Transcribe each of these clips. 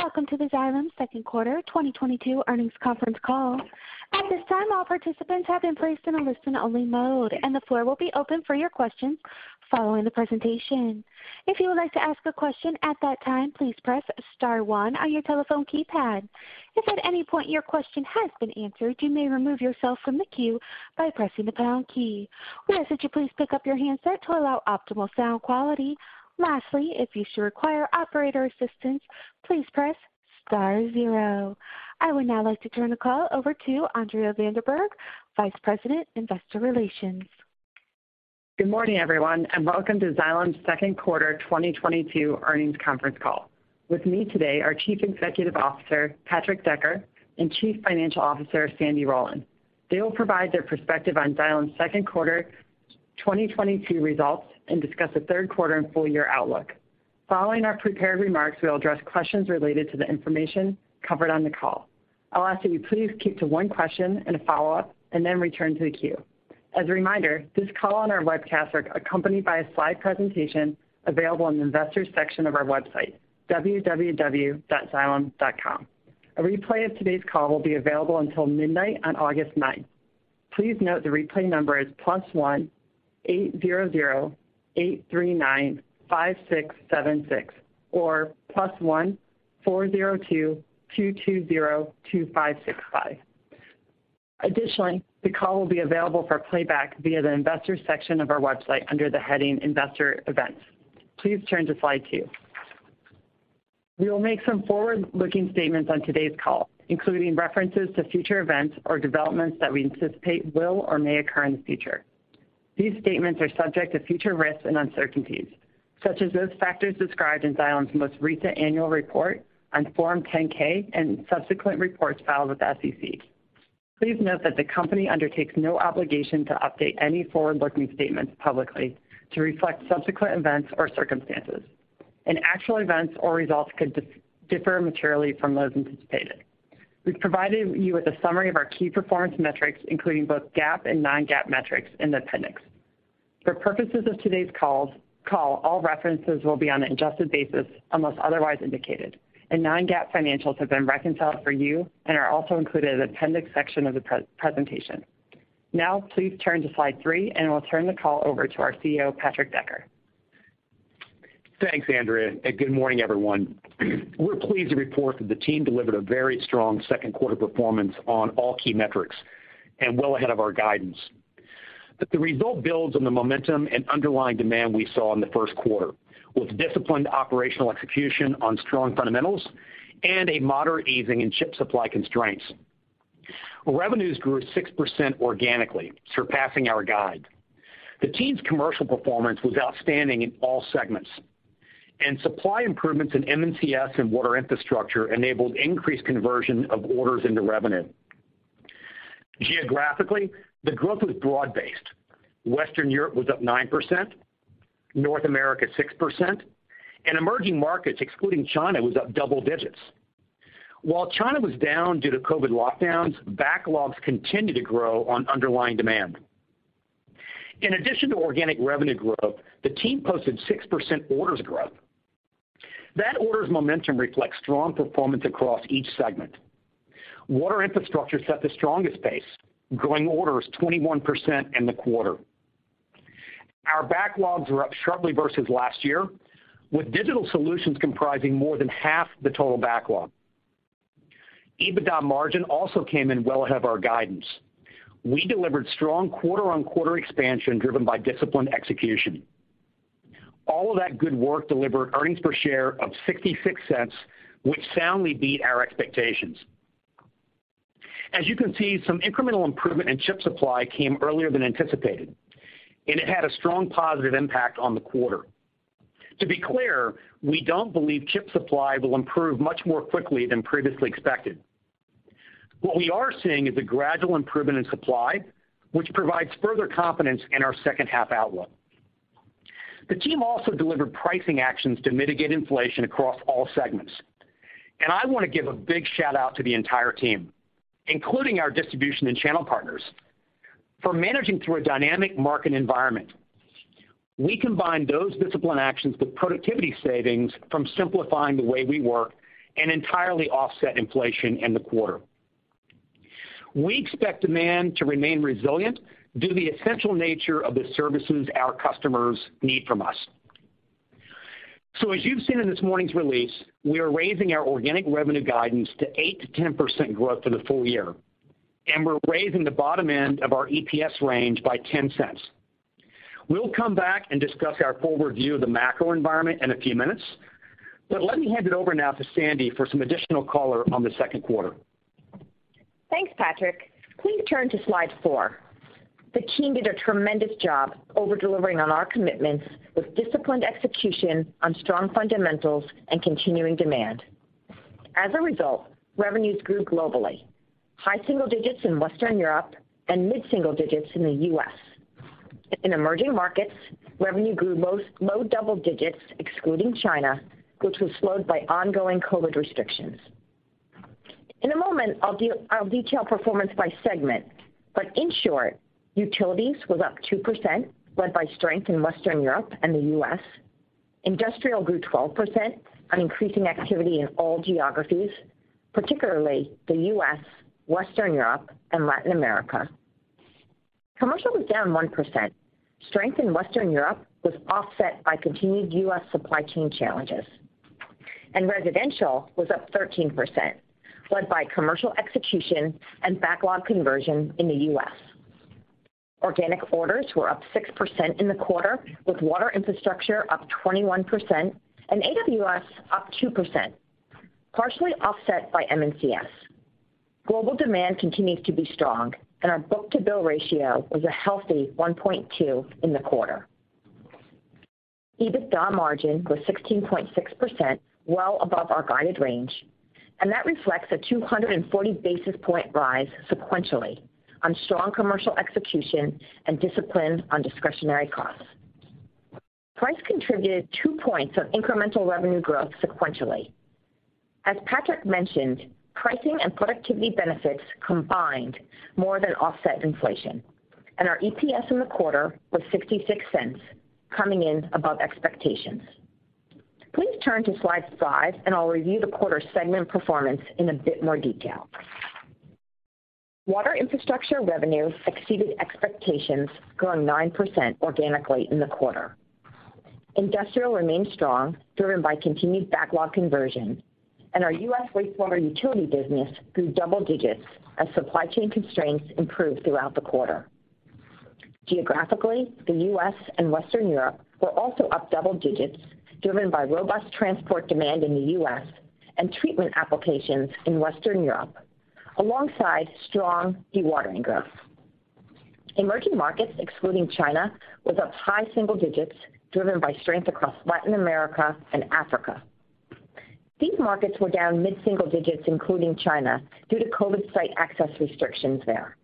Welcome to the Xylem Second Quarter 2022 Earnings Conference Call. At this time, all participants have been placed in a listen-only mode, and the floor will be open for your questions following the presentation. If you would like to ask a question at that time, please press star one on your telephone keypad. If at any point your question has been answered, you may remove yourself from the queue by pressing the pound key. We ask that you please pick up your handset to allow optimal sound quality. Lastly, if you should require operator assistance, please press star zero. I would now like to turn the call over to Andrea van der Berg, Vice President, Investor Relations. Good morning, everyone, and welcome to Xylem's Second Quarter 2022 Earnings Conference Call. With me today are Chief Executive Officer Patrick Decker and Chief Financial Officer Sandy Rowland. They will provide their perspective on Xylem's Second Quarter 2022 Results and discuss the third quarter and full year outlook. Following our prepared remarks, we'll address questions related to the information covered on the call. I'll ask that you please keep to one question and a follow-up, and then return to the queue. As a reminder, this call and our webcast are accompanied by a slide presentation available on the investors section of our website, www.xylem.com. A replay of today's call will be available until midnight on August ninth. Please note the replay number is +1-800-839-5676 or +1-402-222-0256. Additionally, the call will be available for playback via the investors section of our website under the heading Investor Events. Please turn to slide 2. We will make some forward-looking statements on today's call, including references to future events or developments that we anticipate will or may occur in the future. These statements are subject to future risks and uncertainties, such as those factors described in Xylem's most recent annual report on Form 10-K and subsequent reports filed with the SEC. Please note that the company undertakes no obligation to update any forward-looking statements publicly to reflect subsequent events or circumstances. Actual events or results could differ materially from those anticipated. We've provided you with a summary of our key performance metrics, including both GAAP and non-GAAP metrics in the appendix. For purposes of today's call, all references will be on an adjusted basis unless otherwise indicated. Non-GAAP financials have been reconciled for you and are also included in the appendix section of the presentation. Now please turn to slide 3, and we'll turn the call over to our CEO, Patrick Decker. Thanks, Andrea, and good morning, everyone. We're pleased to report that the team delivered a very strong second quarter performance on all key metrics and well ahead of our guidance. The result builds on the momentum and underlying demand we saw in the first quarter, with disciplined operational execution on strong fundamentals and a moderate easing in chip supply constraints. Revenues grew 6% organically, surpassing our guide. The team's commercial performance was outstanding in all segments, and supply improvements in M&CS and Water Infrastructure enabled increased conversion of orders into revenue. Geographically, the growth was broad-based. Western Europe was up 9%, North America 6%, and emerging markets, excluding China, was up double digits. While China was down due to COVID lockdowns, backlogs continued to grow on underlying demand. In addition to organic revenue growth, the team posted 6% orders growth. That orders momentum reflects strong performance across each segment. Water Infrastructure set the strongest pace, growing orders 21% in the quarter. Our backlogs are up sharply versus last year, with digital solutions comprising more than half the total backlog. EBITDA margin also came in well ahead of our guidance. We delivered strong quarter-on-quarter expansion driven by disciplined execution. All of that good work delivered earnings per share of $0.66, which soundly beat our expectations. As you can see, some incremental improvement in chip supply came earlier than anticipated, and it had a strong positive impact on the quarter. To be clear, we don't believe chip supply will improve much more quickly than previously expected. What we are seeing is a gradual improvement in supply, which provides further confidence in our second half outlook. The team also delivered pricing actions to mitigate inflation across all segments, and I wanna give a big shout-out to the entire team, including our distribution and channel partners, for managing through a dynamic market environment. We combined those disciplined actions with productivity savings from simplifying the way we work and entirely offset inflation in the quarter. We expect demand to remain resilient due to the essential nature of the services our customers need from us. As you've seen in this morning's release, we are raising our organic revenue guidance to 8%-10% growth for the full year, and we're raising the bottom end of our EPS range by $0.10. We'll come back and discuss our forward view of the macro environment in a few minutes, but let me hand it over now to Sandy for some additional color on the second quarter. Thanks, Patrick. Please turn to slide 4. The team did a tremendous job over-delivering on our commitments with disciplined execution on strong fundamentals and continuing demand. As a result, revenues grew globally, high single digits in Western Europe and mid-single digits in the U.S. In emerging markets, revenue grew mid- to low double digits excluding China, which was slowed by ongoing COVID restrictions. In a moment, I'll detail performance by segment. In short, utilities was up 2%, led by strength in Western Europe and the U.S. Industrial grew 12% on increasing activity in all geographies, particularly the U.S., Western Europe, and Latin America. Commercial was down 1%. Strength in Western Europe was offset by continued U.S. supply chain challenges. Residential was up 13%, led by commercial execution and backlog conversion in the U.S. Organic orders were up 6% in the quarter, with Water Infrastructure up 21% and AWS up 2%, partially offset by M&CS. Global demand continues to be strong, and our book-to-bill ratio was a healthy 1.2 in the quarter. EBITDA margin was 16.6%, well above our guided range, and that reflects a 240 basis point rise sequentially on strong commercial execution and discipline on discretionary costs. Price contributed 2 points of incremental revenue growth sequentially. As Patrick mentioned, pricing and productivity benefits combined more than offset inflation, and our EPS in the quarter was $0.66, coming in above expectations. Please turn to slide 5, and I'll review the quarter's segment performance in a bit more detail. Water Infrastructure revenue exceeded expectations, growing 9% organically in the quarter. Industrial remained strong, driven by continued backlog conversion, and our U.S. wastewater utility business grew double digits as supply chain constraints improved throughout the quarter. Geographically, the U.S. and Western Europe were also up double digits, driven by robust transport demand in the U.S. and treatment applications in Western Europe, alongside strong dewatering growth. Emerging markets, excluding China, was up high single digits, driven by strength across Latin America and Africa. These markets were down mid-single digits, including China, due to COVID site access restrictions there.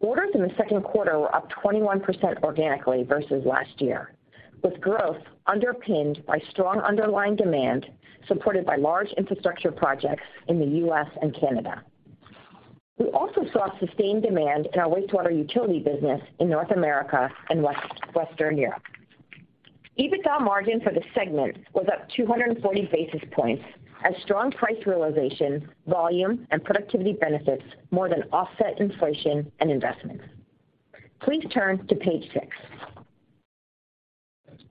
Orders in the second quarter were up 21% organically versus last year, with growth underpinned by strong underlying demand, supported by large infrastructure projects in the U.S. and Canada. We also saw sustained demand in our wastewater utility business in North America and Western Europe. EBITDA margin for the segment was up 240 basis points as strong price realization, volume, and productivity benefits more than offset inflation and investments. Please turn to page 6.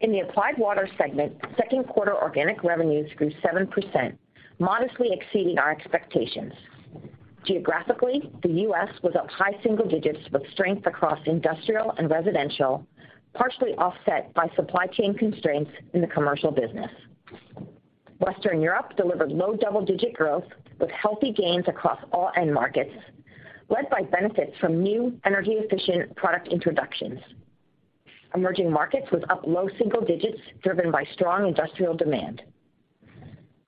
In the Applied Water segment, second quarter organic revenues grew 7%, modestly exceeding our expectations. Geographically, the U.S. was up high single digits with strength across industrial and residential, partially offset by supply chain constraints in the commercial business. Western Europe delivered low double-digit growth with healthy gains across all end markets, led by benefits from new energy-efficient product introductions. Emerging markets was up low single digits, driven by strong industrial demand.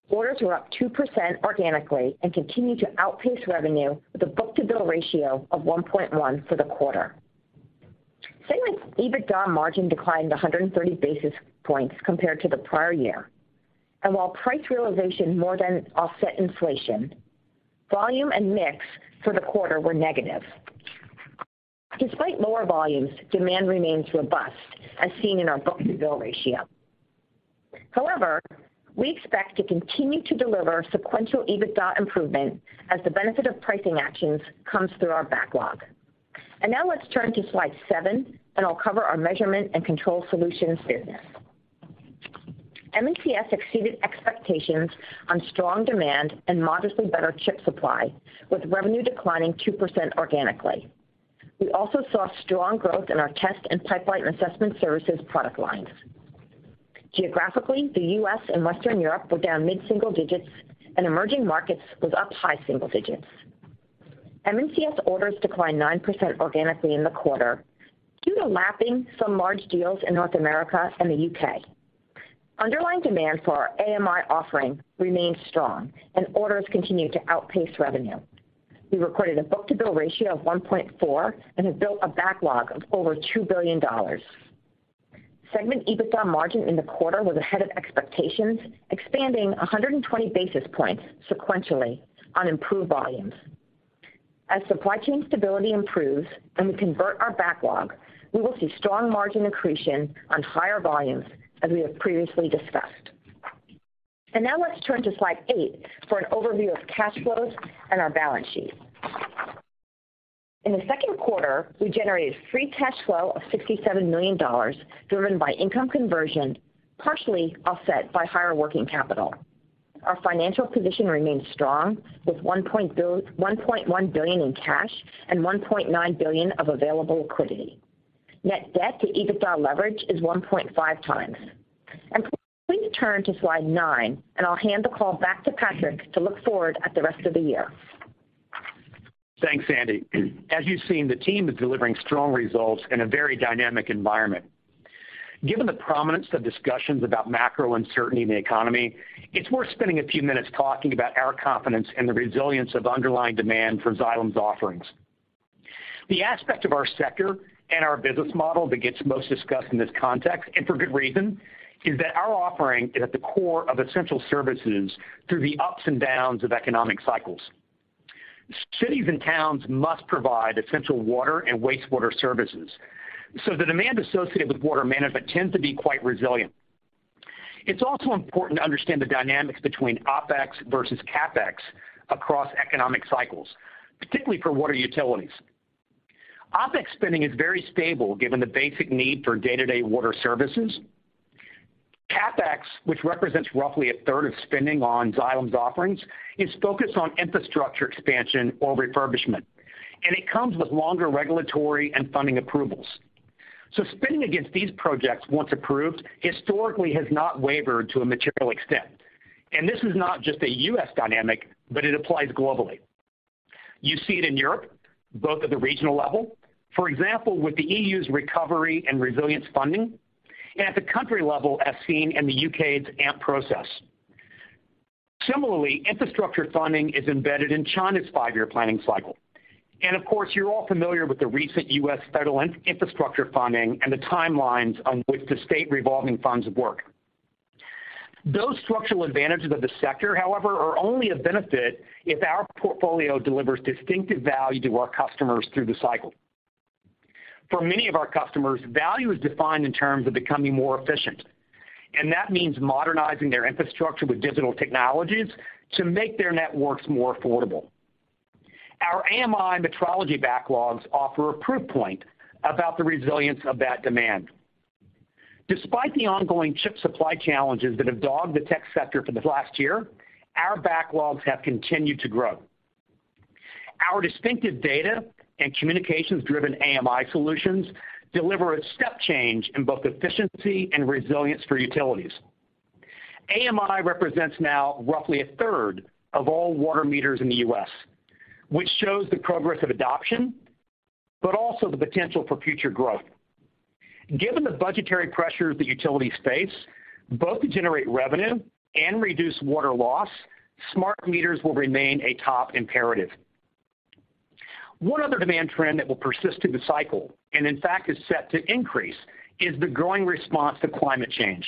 Orders were up 2% organically and continued to outpace revenue with a book-to-bill ratio of 1.1 for the quarter. Segment's EBITDA margin declined 130 basis points compared to the prior year. While price realization more than offset inflation, volume and mix for the quarter were negative. Despite lower volumes, demand remains robust, as seen in our book-to-bill ratio. However, we expect to continue to deliver sequential EBITDA improvement as the benefit of pricing actions comes through our backlog. Now let's turn to slide 7, and I'll cover our Measurement and Control Solutions business. M&CS exceeded expectations on strong demand and modestly better chip supply, with revenue declining 2% organically. We also saw strong growth in our test and pipeline assessment services product lines. Geographically, the U.S. and Western Europe were down mid-single digits, and emerging markets was up high single digits. M&CS orders declined 9% organically in the quarter due to lapping some large deals in North America and the U.K. Underlying demand for our AMI offering remains strong and orders continue to outpace revenue. We recorded a book-to-bill ratio of 1.4 and have built a backlog of over $2 billion. Segment EBITDA margin in the quarter was ahead of expectations, expanding 120 basis points sequentially on improved volumes. As supply chain stability improves and we convert our backlog, we will see strong margin accretion on higher volumes as we have previously discussed. Now let's turn to slide 8 for an overview of cash flows and our balance sheet. In the second quarter, we generated free cash flow of $67 million, driven by income conversion, partially offset by higher working capital. Our financial position remains strong, with $1.1 billion in cash and $1.9 billion of available liquidity. Net debt to EBITDA leverage is 1.5 times. Please turn to slide 9, and I'll hand the call back to Patrick to look forward at the rest of the year. Thanks, Andi. As you've seen, the team is delivering strong results in a very dynamic environment. Given the prominence of discussions about macro uncertainty in the economy, it's worth spending a few minutes talking about our confidence in the resilience of underlying demand for Xylem's offerings. The aspect of our sector and our business model that gets most discussed in this context, and for good reason, is that our offering is at the core of essential services through the ups and downs of economic cycles. Cities and towns must provide essential water and wastewater services, so the demand associated with water management tends to be quite resilient. It's also important to understand the dynamics between OpEx versus CapEx across economic cycles, particularly for water utilities. OpEx spending is very stable given the basic need for day-to-day water services. CapEx, which represents roughly a third of spending on Xylem's offerings, is focused on infrastructure expansion or refurbishment, and it comes with longer regulatory and funding approvals. Spending against these projects, once approved, historically has not wavered to a material extent. This is not just a U.S. dynamic, but it applies globally. You see it in Europe, both at the regional level, for example, with the E.U.'s recovery and resilience funding, and at the country level, as seen in the U.K.'s AMP process. Similarly, infrastructure funding is embedded in China's five-year planning cycle. Of course, you're all familiar with the recent U.S. federal infrastructure funding and the timelines on which the state revolving funds work. Those structural advantages of the sector, however, are only a benefit if our portfolio delivers distinctive value to our customers through the cycle. For many of our customers, value is defined in terms of becoming more efficient, and that means modernizing their infrastructure with digital technologies to make their networks more affordable. Our AMI metrology backlogs offer a proof point about the resilience of that demand. Despite the ongoing chip supply challenges that have dogged the tech sector for this last year, our backlogs have continued to grow. Our distinctive data and communications-driven AMI solutions deliver a step change in both efficiency and resilience for utilities. AMI represents now roughly 1/3 of all water meters in the U.S., which shows the progress of adoption, but also the potential for future growth. Given the budgetary pressures that utilities face, both to generate revenue and reduce water loss, smart meters will remain a top imperative. One other demand trend that will persist through the cycle, and in fact is set to increase, is the growing response to climate change.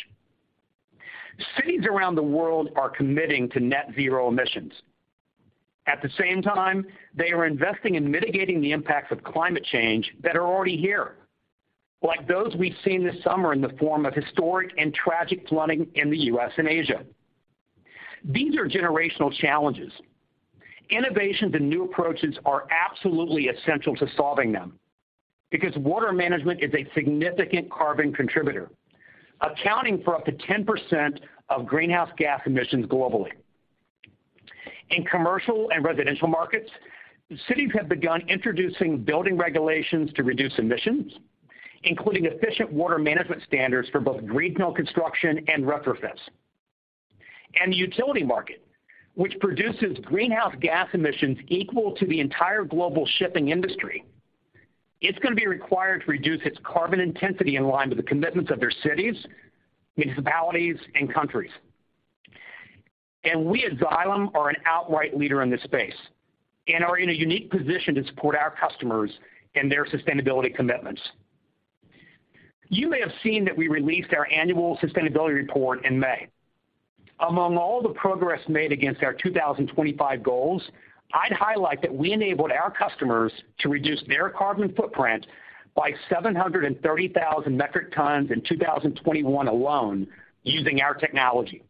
Cities around the world are committing to net zero emissions. At the same time, they are investing in mitigating the impacts of climate change that are already here, like those we've seen this summer in the form of historic and tragic flooding in the U.S. and Asia. These are generational challenges. Innovations and new approaches are absolutely essential to solving them because water management is a significant carbon contributor, accounting for up to 10% of greenhouse gas emissions globally. In commercial and residential markets, cities have begun introducing building regulations to reduce emissions, including efficient water management standards for both greenfield construction and retrofits. The utility market, which produces greenhouse gas emissions equal to the entire global shipping industry, it's gonna be required to reduce its carbon intensity in line with the commitments of their cities, municipalities, and countries. We at Xylem are an outright leader in this space and are in a unique position to support our customers in their sustainability commitments. You may have seen that we released our annual sustainability report in May. Among all the progress made against our 2025 goals, I'd highlight that we enabled our customers to reduce their carbon footprint by 730,000 metric tons in 2021 alone using our technology.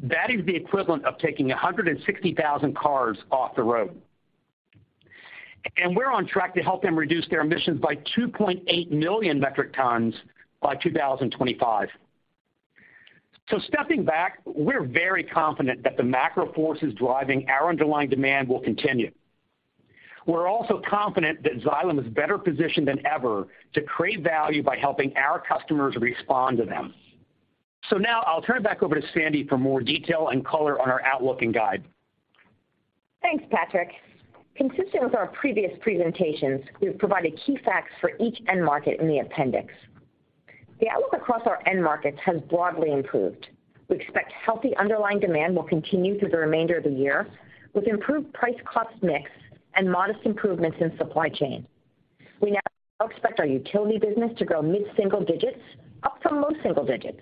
That is the equivalent of taking 160,000 cars off the road. We're on track to help them reduce their emissions by 2.8 million metric tons by 2025. Stepping back, we're very confident that the macro forces driving our underlying demand will continue. We're also confident that Xylem is better positioned than ever to create value by helping our customers respond to them. Now I'll turn it back over to Sandy for more detail and color on our outlook and guide. Thanks, Patrick. Consistent with our previous presentations, we've provided key facts for each end market in the appendix. The outlook across our end markets has broadly improved. We expect healthy underlying demand will continue through the remainder of the year with improved price-cost mix and modest improvements in supply chain. We now expect our utility business to grow mid-single-digit %, up from low-single-digit %.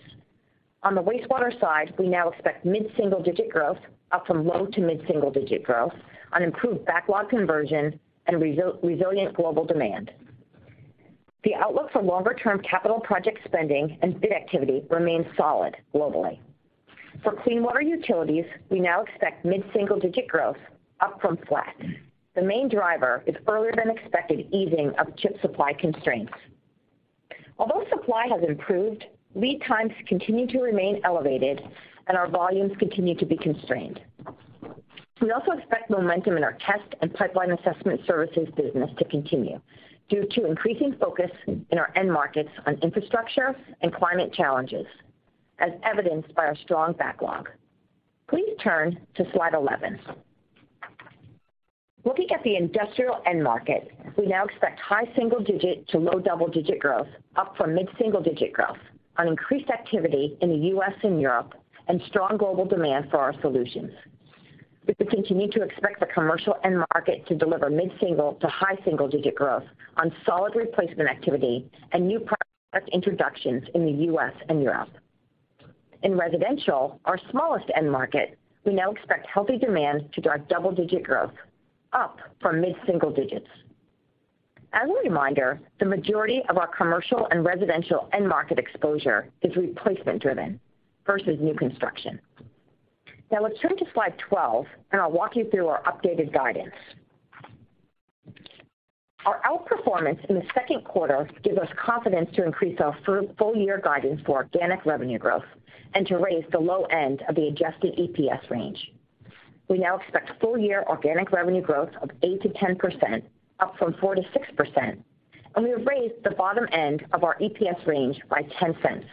On the wastewater side, we now expect mid-single-digit % growth, up from low- to mid-single-digit % growth on improved backlog conversion and resilient global demand. The outlook for longer-term capital project spending and bid activity remains solid globally. For clean water utilities, we now expect mid-single-digit % growth, up from flat. The main driver is earlier than expected easing of chip supply constraints. Although supply has improved, lead times continue to remain elevated and our volumes continue to be constrained. We also expect momentum in our test and pipeline assessment services business to continue due to increasing focus in our end markets on infrastructure and climate challenges, as evidenced by our strong backlog. Please turn to slide 11. Looking at the industrial end market, we now expect high single-digit to low double-digit growth, up from mid-single-digit growth on increased activity in the U.S. and Europe and strong global demand for our solutions. We continue to expect the commercial end market to deliver mid-single to high single-digit growth on solid replacement activity and new product introductions in the U.S. and Europe. In residential, our smallest end market, we now expect healthy demand to drive double-digit growth, up from mid-single digits. As a reminder, the majority of our commercial and residential end market exposure is replacement driven versus new construction. Now let's turn to slide 12, and I'll walk you through our updated guidance. Our outperformance in the second quarter gives us confidence to increase our full-year guidance for organic revenue growth and to raise the low end of the adjusted EPS range. We now expect full year organic revenue growth of 8%-10%, up from 4%-6%, and we have raised the bottom end of our EPS range by $0.10.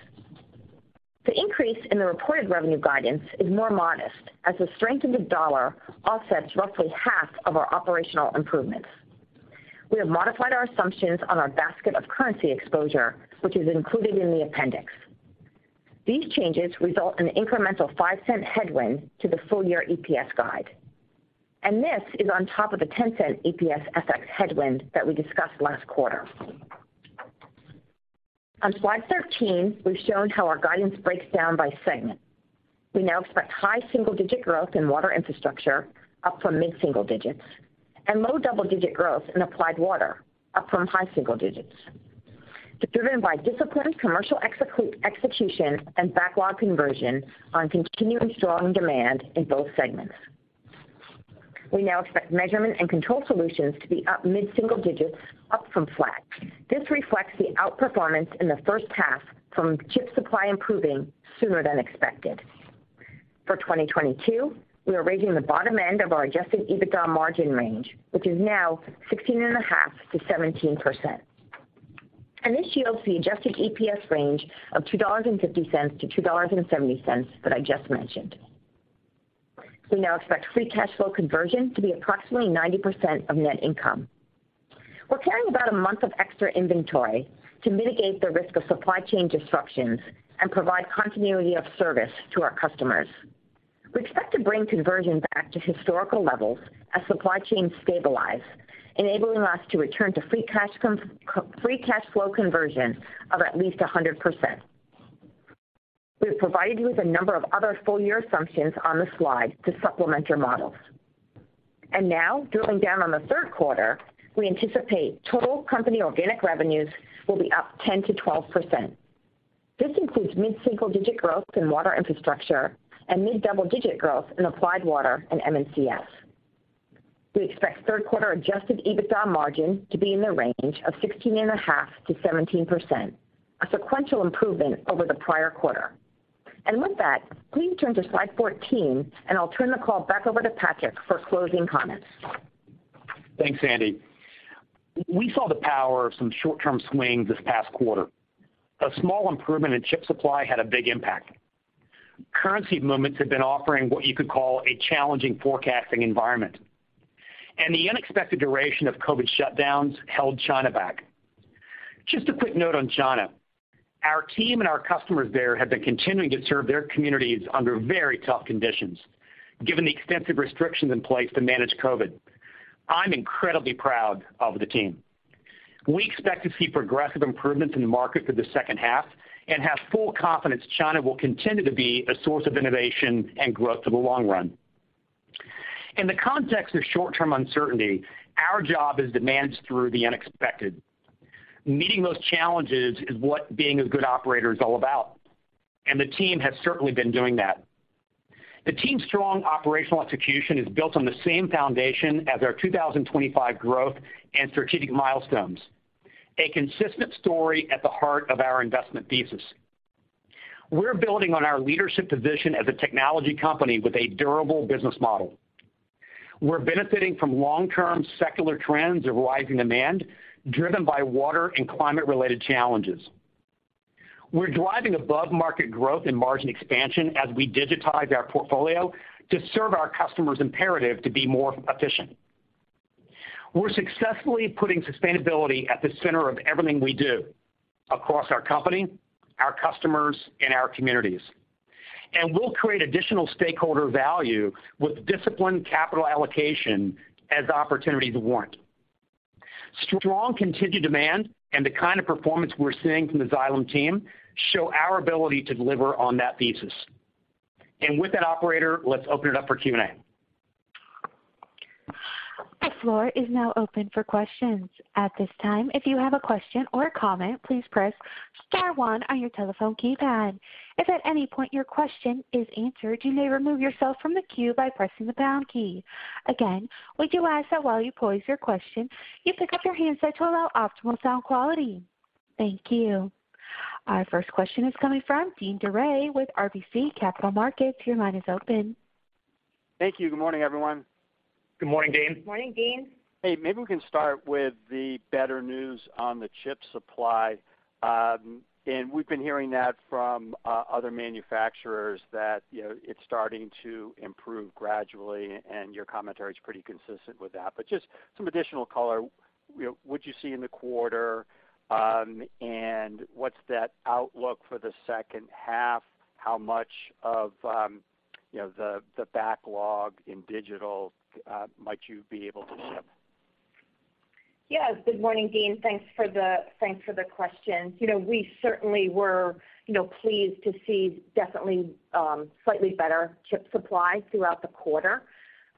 The increase in the reported revenue guidance is more modest as the strength in the US dollar offsets roughly half of our operational improvements. We have modified our assumptions on our basket of currency exposure, which is included in the appendix. These changes result in incremental $0.05 headwind to the full year EPS guide. This is on top of the $0.10 EPS FX headwind that we discussed last quarter. On slide 13, we've shown how our guidance breaks down by segment. We now expect high single-digit growth in Water Infrastructure up from mid-single digits, and low double-digit growth in Applied Water up from high single digits, driven by disciplined commercial execution and backlog conversion on continuing strong demand in both segments. We now expect Measurement and Control Solutions to be up mid-single digits, up from flat. This reflects the outperformance in the first half from chip supply improving sooner than expected. For 2022, we are raising the bottom end of our adjusted EBITDA margin range, which is now 16.5%-17%. This yields the adjusted EPS range of $2.50-$2.70 that I just mentioned. We now expect free cash flow conversion to be approximately 90% of net income. We're carrying about a month of extra inventory to mitigate the risk of supply chain disruptions and provide continuity of service to our customers. We expect to bring conversion back to historical levels as supply chains stabilize, enabling us to return to free cash flow conversion of at least 100%. We've provided you with a number of other full-year assumptions on the slide to supplement your models. Now drilling down on the third quarter, we anticipate total company organic revenues will be up 10%-12%. This includes mid-single-digit growth in Water Infrastructure and mid-double-digit growth in Applied Water and M&CS. We expect third quarter adjusted EBITDA margin to be in the range of 16.5%-17%, a sequential improvement over the prior quarter. With that, please turn to slide 14, and I'll turn the call back over to Patrick for closing comments. Thanks, Andi. We saw the power of some short-term swings this past quarter. A small improvement in chip supply had a big impact. Currency movements have been offering what you could call a challenging forecasting environment, and the unexpected duration of COVID shutdowns held China back. Just a quick note on China. Our team and our customers there have been continuing to serve their communities under very tough conditions, given the extensive restrictions in place to manage COVID. I'm incredibly proud of the team. We expect to see progressive improvements in the market for the second half and have full confidence China will continue to be a source of innovation and growth for the long run. In the context of short-term uncertainty, our job is to manage through the unexpected. Meeting those challenges is what being a good operator is all about, and the team has certainly been doing that. The team's strong operational execution is built on the same foundation as our 2025 growth and strategic milestones, a consistent story at the heart of our investment thesis. We're building on our leadership position as a technology company with a durable business model. We're benefiting from long-term secular trends of rising demand driven by water and climate-related challenges. We're driving above-market growth and margin expansion as we digitize our portfolio to serve our customers' imperative to be more efficient. We're successfully putting sustainability at the center of everything we do across our company, our customers, and our communities. We'll create additional stakeholder value with disciplined capital allocation as opportunities warrant. Strong continued demand and the kind of performance we're seeing from the Xylem team show our ability to deliver on that thesis. With that operator, let's open it up for Q&A. The floor is now open for questions. At this time, if you have a question or a comment, please press star one on your telephone keypad. If at any point your question is answered, you may remove yourself from the queue by pressing the pound key. Again, we do ask that while you pose your question, you pick up your handset to allow optimal sound quality. Thank you. Our first question is coming from Deane Dray with RBC Capital Markets. Your line is open. Thank you. Good morning, everyone. Good morning, Deane. Good morning, Deane. Hey, maybe we can start with the better news on the chip supply. We've been hearing that from other manufacturers that, you know, it's starting to improve gradually, and your commentary is pretty consistent with that. Just some additional color, you know, what'd you see in the quarter, and what's that outlook for the second half? How much of, you know, the backlog in digital might you be able to ship? Yes. Good morning, Deane. Thanks for the question. You know, we certainly were, you know, pleased to see definitely slightly better chip supply throughout the quarter.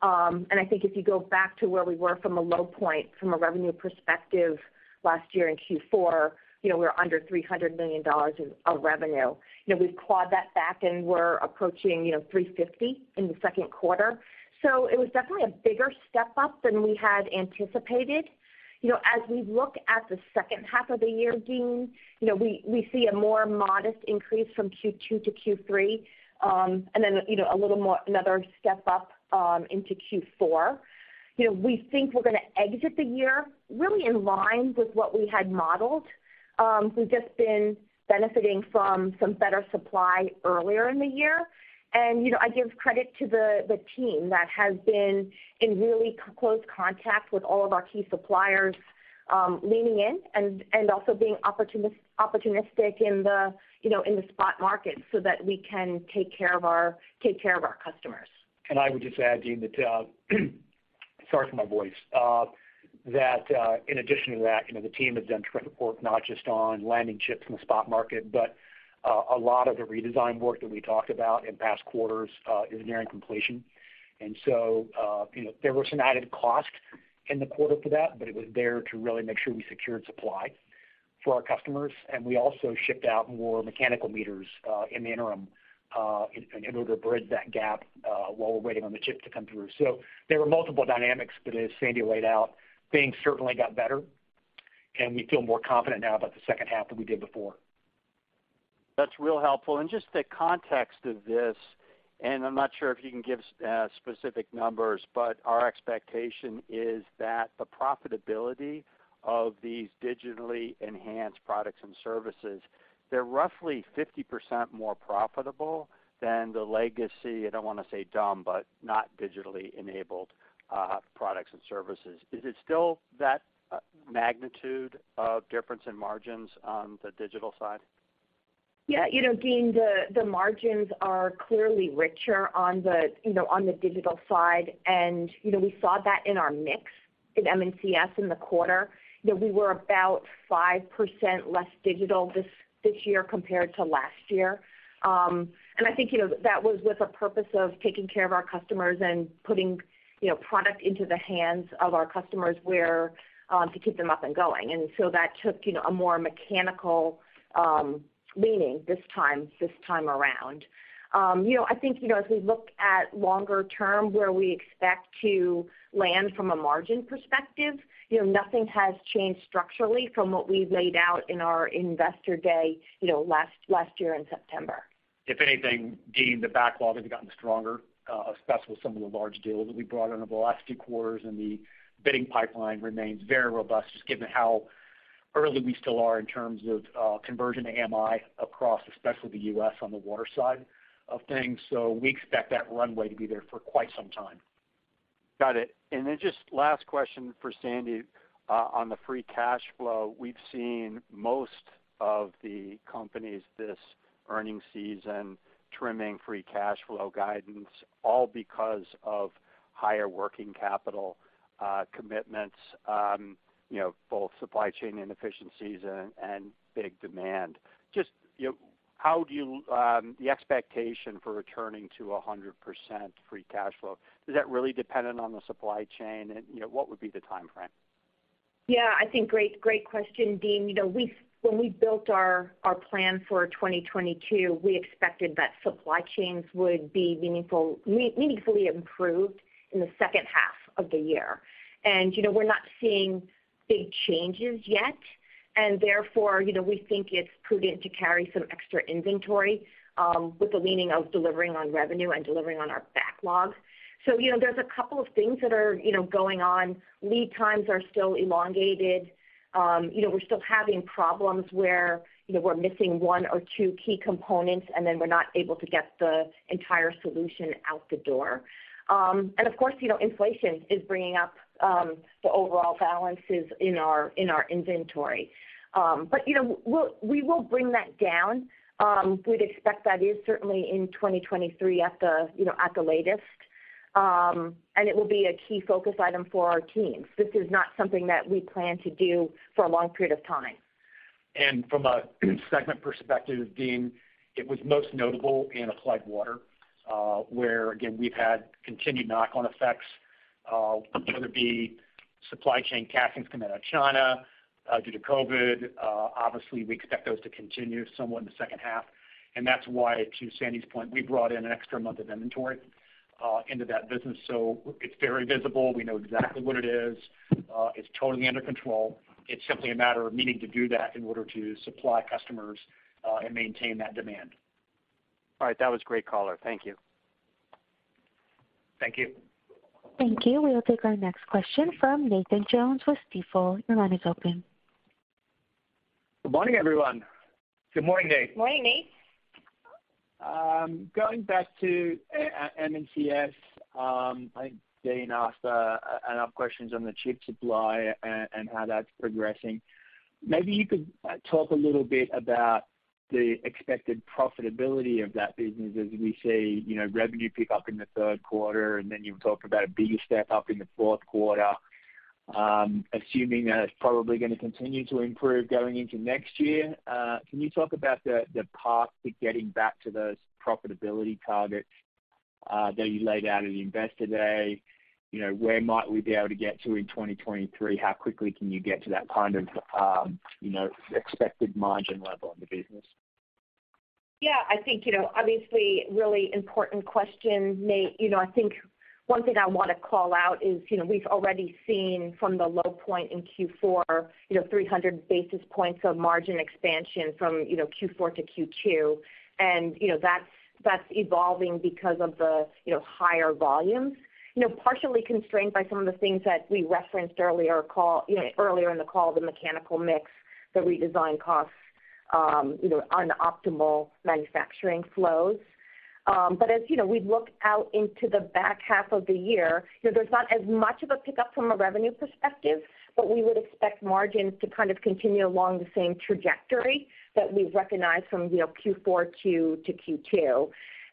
I think if you go back to where we were from a low point from a revenue perspective last year in Q4, you know, we were under $300 million of revenue. You know, we've clawed that back, and we're approaching, you know, $350 million in the second quarter. So it was definitely a bigger step up than we had anticipated. You know, as we look at the second half of the year, Deane, you know, we see a more modest increase from Q2 to Q3, and then, you know, a little more, another step up into Q4. You know, we think we're gonna exit the year really in line with what we had modeled. We've just been benefiting from some better supply earlier in the year. You know, I give credit to the team that has been in really close contact with all of our key suppliers, leaning in and also being opportunistic in the, you know, in the spot market so that we can take care of our customers. I would just add, Deane, sorry for my voice, that in addition to that, you know, the team has done terrific work, not just on landing chips in the spot market, but a lot of the redesign work that we talked about in past quarters is nearing completion. You know, there was some added cost in the quarter for that, but it was there to really make sure we secured supply for our customers. We also shipped out more mechanical meters in the interim in order to bridge that gap while we're waiting on the chip to come through. There were multiple dynamics, but as Sandy laid out, things certainly got better, and we feel more confident now about the second half than we did before. That's real helpful. Just the context of this, and I'm not sure if you can give specific numbers, but our expectation is that the profitability of these digitally enhanced products and services, they're roughly 50% more profitable than the legacy, I don't wanna say dumb, but not digitally enabled, products and services. Is it still that magnitude of difference in margins on the digital side? Yeah. You know, Deane, the margins are clearly richer on the, you know, on the digital side, and, you know, we saw that in our mix in M&CS in the quarter. You know, we were about 5% less digital this year compared to last year. And I think, you know, that was with a purpose of taking care of our customers and putting, you know, product into the hands of our customers where to keep them up and going. So that took, you know, a more mechanical leaning this time around. You know, I think, you know, as we look at longer term where we expect to land from a margin perspective, you know, nothing has changed structurally from what we've laid out in our investor day, you know, last year in September. If anything, Deane, the backlog has gotten stronger, especially with some of the large deals that we brought on over the last two quarters, and the bidding pipeline remains very robust, just given how early we still are in terms of, conversion to AMI across especially the U.S. on the water side of things. We expect that runway to be there for quite some time. Got it. Just last question for Sandy on the free cash flow. We've seen most of the companies this earnings season trimming free cash flow guidance, all because of higher working capital commitments, you know, both supply chain inefficiencies and big demand. Just, you know, how do you the expectation for returning to a 100% free cash flow, is that really dependent on the supply chain? You know, what would be the timeframe? Yeah. I think great question, Deane. You know, when we built our plan for 2022, we expected that supply chains would be meaningfully improved in the second half of the year. You know, we're not seeing big changes yet, and therefore, you know, we think it's prudent to carry some extra inventory with the leaning of delivering on revenue and delivering on our backlog. You know, there's a couple of things that are, you know, going on. Lead times are still elongated. You know, we're still having problems where, you know, we're missing one or two key components, and then we're not able to get the entire solution out the door. Of course, you know, inflation is bringing up the overall balances in our inventory. You know, we will bring that down. We'd expect that is certainly in 2023 at the, you know, at the latest. It will be a key focus item for our teams. This is not something that we plan to do for a long period of time. From a segment perspective, Deane, it was most notable in Applied Water, where again, we've had continued knock-on effects, whether it be supply chain disruptions coming out of China, due to COVID. Obviously, we expect those to continue somewhat in the second half. That's why, to Sandy's point, we brought in an extra month of inventory, into that business. It's very visible. We know exactly what it is. It's totally under control. It's simply a matter of needing to do that in order to supply customers, and maintain that demand. All right. That was great color. Thank you. Thank you. Thank you. We'll take our next question from Nathan Jones with Stifel. Your line is open. Good morning, everyone. Good morning, Nate. Morning, Nate. Going back to M&CS, I think Dean asked enough questions on the chip supply and how that's progressing. Maybe you could talk a little bit about the expected profitability of that business as we see, you know, revenue pick up in the third quarter, and then you've talked about a bigger step up in the fourth quarter, assuming that it's probably gonna continue to improve going into next year. Can you talk about the path to getting back to those profitability targets that you laid out at Investor Day? You know, where might we be able to get to in 2023? How quickly can you get to that kind of, you know, expected margin level in the business? Yeah, I think, you know, obviously really important question, Nate. You know, I think one thing I wanna call out is, you know, we've already seen from the low point in Q4, you know, 300 basis points of margin expansion from, you know, Q4 to Q2. You know, that's evolving because of the, you know, higher volumes. You know, partially constrained by some of the things that we referenced earlier in the call, the mechanical mix, the redesign costs, you know, on the optimal manufacturing flows. But as, you know, we look out into the back half of the year, you know, there's not as much of a pickup from a revenue perspective, but we would expect margins to kind of continue along the same trajectory that we've recognized from, you know, Q4 to Q2.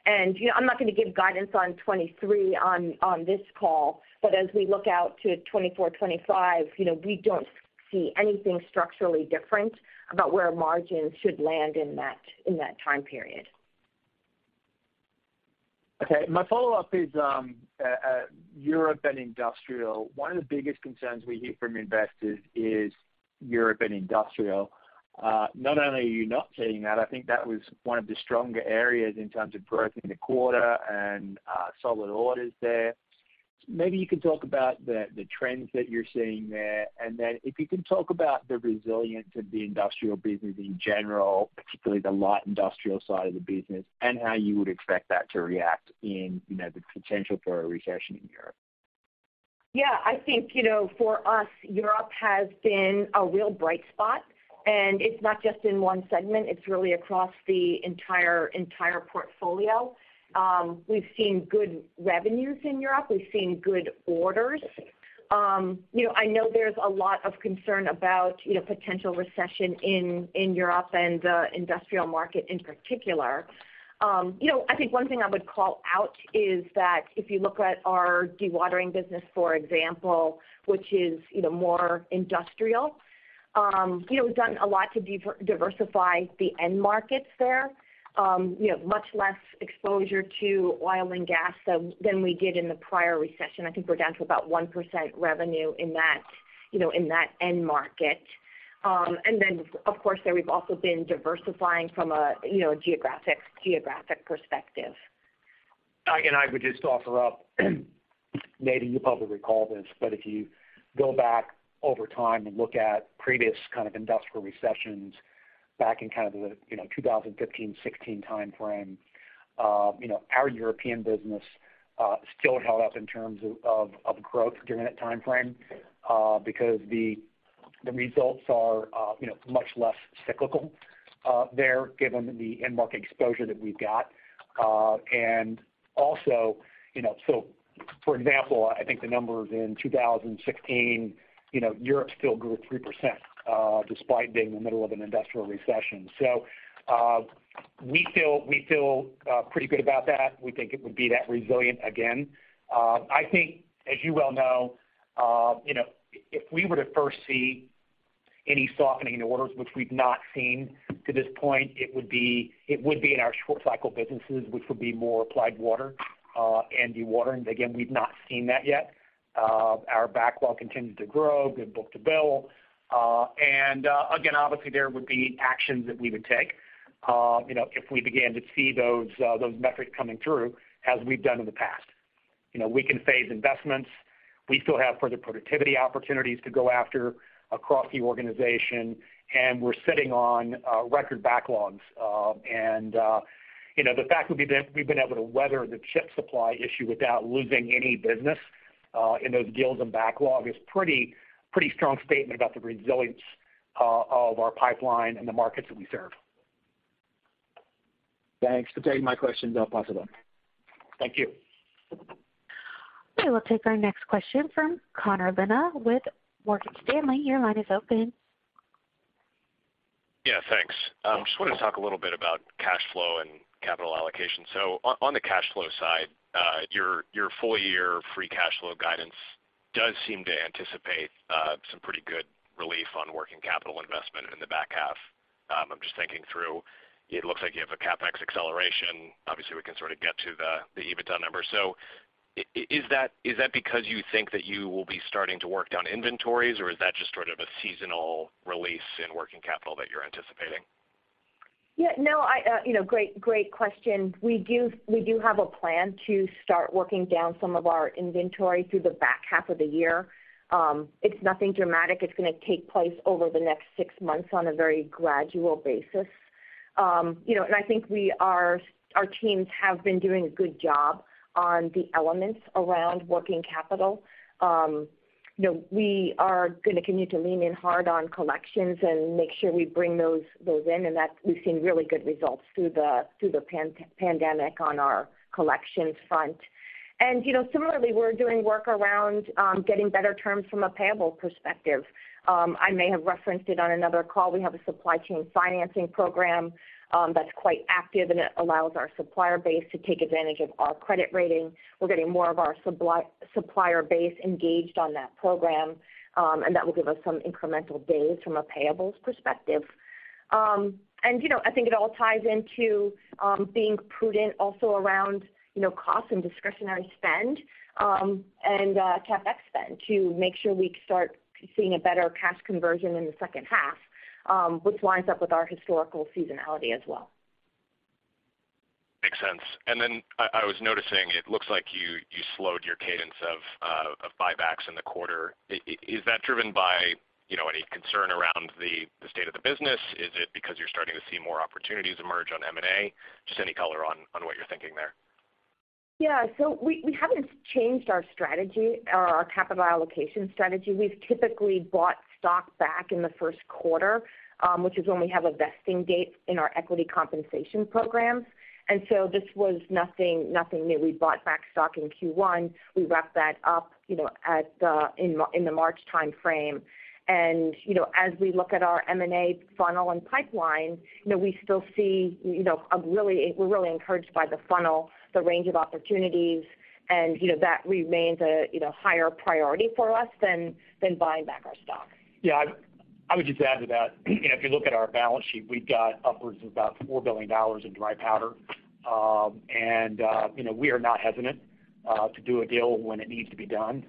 You know, I'm not gonna give guidance on 2023 on this call, but as we look out to 2024, 2025, you know, we don't see anything structurally different about where margins should land in that time period. Okay. My follow-up is Europe and industrial. One of the biggest concerns we hear from investors is Europe and industrial. Not only are you not seeing that, I think that was one of the stronger areas in terms of growth in the quarter and solid orders there. Maybe you can talk about the trends that you're seeing there. If you can talk about the resilience of the industrial business in general, particularly the light industrial side of the business, and how you would expect that to react in, you know, the potential for a recession in Europe. Yeah. I think, you know, for us, Europe has been a real bright spot, and it's not just in one segment, it's really across the entire portfolio. We've seen good revenues in Europe. We've seen good orders. You know, I know there's a lot of concern about, you know, potential recession in Europe and the industrial market in particular. You know, I think one thing I would call out is that if you look at our dewatering business, for example, which is, you know, more industrial, you know, we've done a lot to diversify the end markets there. You know, much less exposure to oil and gas than we did in the prior recession. I think we're down to about 1% revenue in that end market. Of course, there we've also been diversifying from a, you know, geographic perspective. I would just offer up, Nate, you probably recall this, but if you go back over time and look at previous kind of industrial recessions back in kind of the, you know, 2015, 2016 timeframe, you know, our European business still held up in terms of of growth during that timeframe, because the results are, you know, much less cyclical there given the end market exposure that we've got. And also, you know, so for example, I think the numbers in 2016, you know, Europe still grew 3%, despite being in the middle of an industrial recession. We feel pretty good about that. We think it would be that resilient again. I think as you well know, you know, if we were to first see any softening in orders, which we've not seen to this point, it would be in our short cycle businesses, which would be more Applied Water, and dewatering. Again, we've not seen that yet. Our backlog continued to grow, good book-to-bill. Again, obviously there would be actions that we would take, you know, if we began to see those metrics coming through as we've done in the past. You know, we can phase investments. We still have further productivity opportunities to go after across the organization, and we're sitting on record backlogs. You know, the fact that we've been able to weather the chip supply issue without losing any business in those deals and backlog is pretty strong statement about the resilience of our pipeline and the markets that we serve. Thanks for taking my questions. I'll pass it on. Thank you. We will take our next question from Connor Brennan with Morgan Stanley. Your line is open. Yeah, thanks. Just wanted to talk a little bit about cash flow and capital allocation. On the cash flow side, your full year free cash flow guidance does seem to anticipate some pretty good relief on working capital investment in the back half. I'm just thinking through, it looks like you have a CapEx acceleration. Obviously, we can sort of get to the EBITDA number. Is that because you think that you will be starting to work down inventories, or is that just sort of a seasonal release in working capital that you're anticipating? Yeah, no, you know, great question. We do have a plan to start working down some of our inventory through the back half of the year. It's nothing dramatic. It's gonna take place over the next six months on a very gradual basis. I think our teams have been doing a good job on the elements around working capital. We are gonna continue to lean in hard on collections and make sure we bring those in, and that we've seen really good results through the pandemic on our collections front. Similarly, we're doing work around getting better terms from a payables perspective. I may have referenced it on another call. We have a supply chain financing program that's quite active, and it allows our supplier base to take advantage of our credit rating. We're getting more of our supplier base engaged on that program, and that will give us some incremental days from a payables perspective. You know, I think it all ties into being prudent also around you know, cost and discretionary spend, and CapEx spend to make sure we start seeing a better cash conversion in the second half, which lines up with our historical seasonality as well. Makes sense. Then I was noticing it looks like you slowed your cadence of buybacks in the quarter. Is that driven by, you know, any concern around the state of the business? Is it because you're starting to see more opportunities emerge on M&A? Just any color on what you're thinking there. Yeah. We haven't changed our strategy or our capital allocation strategy. We've typically bought stock back in the first quarter, which is when we have a vesting date in our equity compensation programs. This was nothing new. We bought back stock in Q1. We wrapped that up, you know, in the March timeframe. You know, as we look at our M&A funnel and pipeline, you know, we still see, you know, we're really encouraged by the funnel, the range of opportunities, and, you know, that remains a higher priority for us than buying back our stock. Yeah. I would just add to that, you know, if you look at our balance sheet, we've got upwards of about $4 billion in dry powder. You know, we are not hesitant to do a deal when it needs to be done.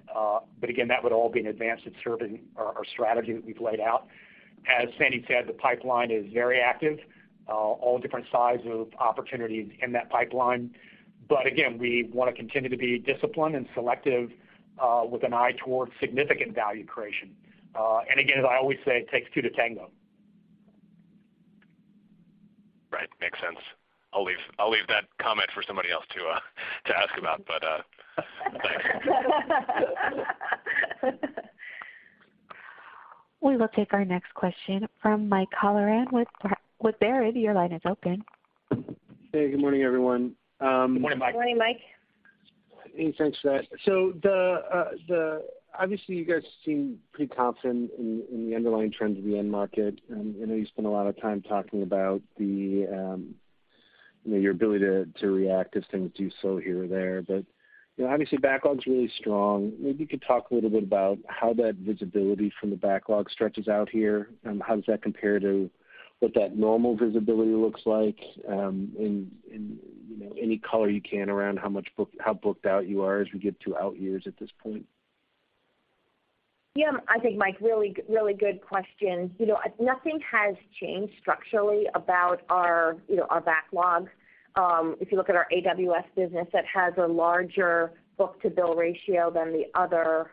Again, that would all be an advance in serving our strategy that we've laid out. As Sandy said, the pipeline is very active, all different size of opportunities in that pipeline. Again, we wanna continue to be disciplined and selective, with an eye towards significant value creation. Again, as I always say, it takes two to tango. Right. Makes sense. I'll leave that comment for somebody else to ask about. Thanks. We will take our next question from Mike Halloran with Baird. Your line is open. Hey, good morning, everyone. Good morning, Mike. Good morning, Mike. Hey, thanks for that. Obviously, you guys seem pretty confident in the underlying trends of the end market. I know you spend a lot of time talking about you know, your ability to react as things do so here or there. You know, obviously, backlog's really strong. Maybe you could talk a little bit about how that visibility from the backlog stretches out here, and how does that compare to what that normal visibility looks like, and you know, any color you can around how much booked out you are as we get to out years at this point. Yeah. I think, Mike, really good question. You know, nothing has changed structurally about our, you know, our backlog. If you look at our AWS business, that has a larger book-to-bill ratio than the other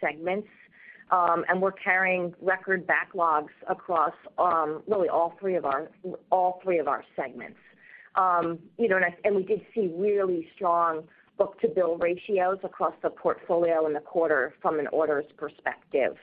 segments. And we're carrying record backlogs across, really all three of our segments. You know, and we did see really strong book-to-bill ratios across the portfolio in the quarter from an orders perspective.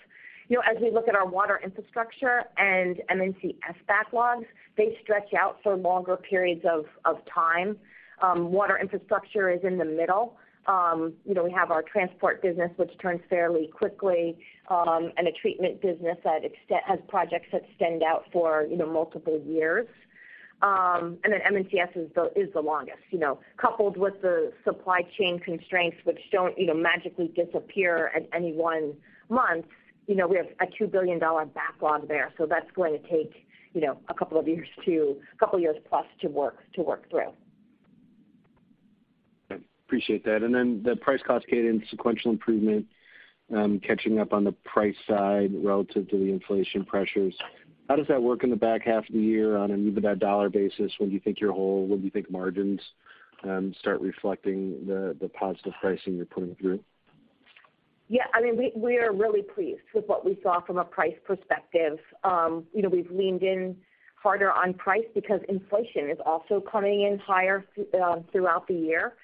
You know, as we look at our Water Infrastructure and M&CS backlogs, they stretch out for longer periods of time. Water Infrastructure is in the middle. You know, we have our transport business, which turns fairly quickly, and a treatment business that has projects that extend out for, you know, multiple years. And then M&CS is the longest, you know. Coupled with the supply chain constraints, which don't, you know, magically disappear at any one month, you know, we have a $2 billion backlog there. That's going to take, you know, a couple of years plus to work through. Okay. Appreciate that. Then the price cost cadence, sequential improvement, catching up on the price side relative to the inflation pressures. How does that work in the back half of the year on an EBITDA dollar basis? When do you think you're whole? When do you think margins start reflecting the positive pricing you're putting through? Yeah. I mean, we are really pleased with what we saw from a price perspective. You know, we've leaned in harder on price because inflation is also coming in higher throughout the year.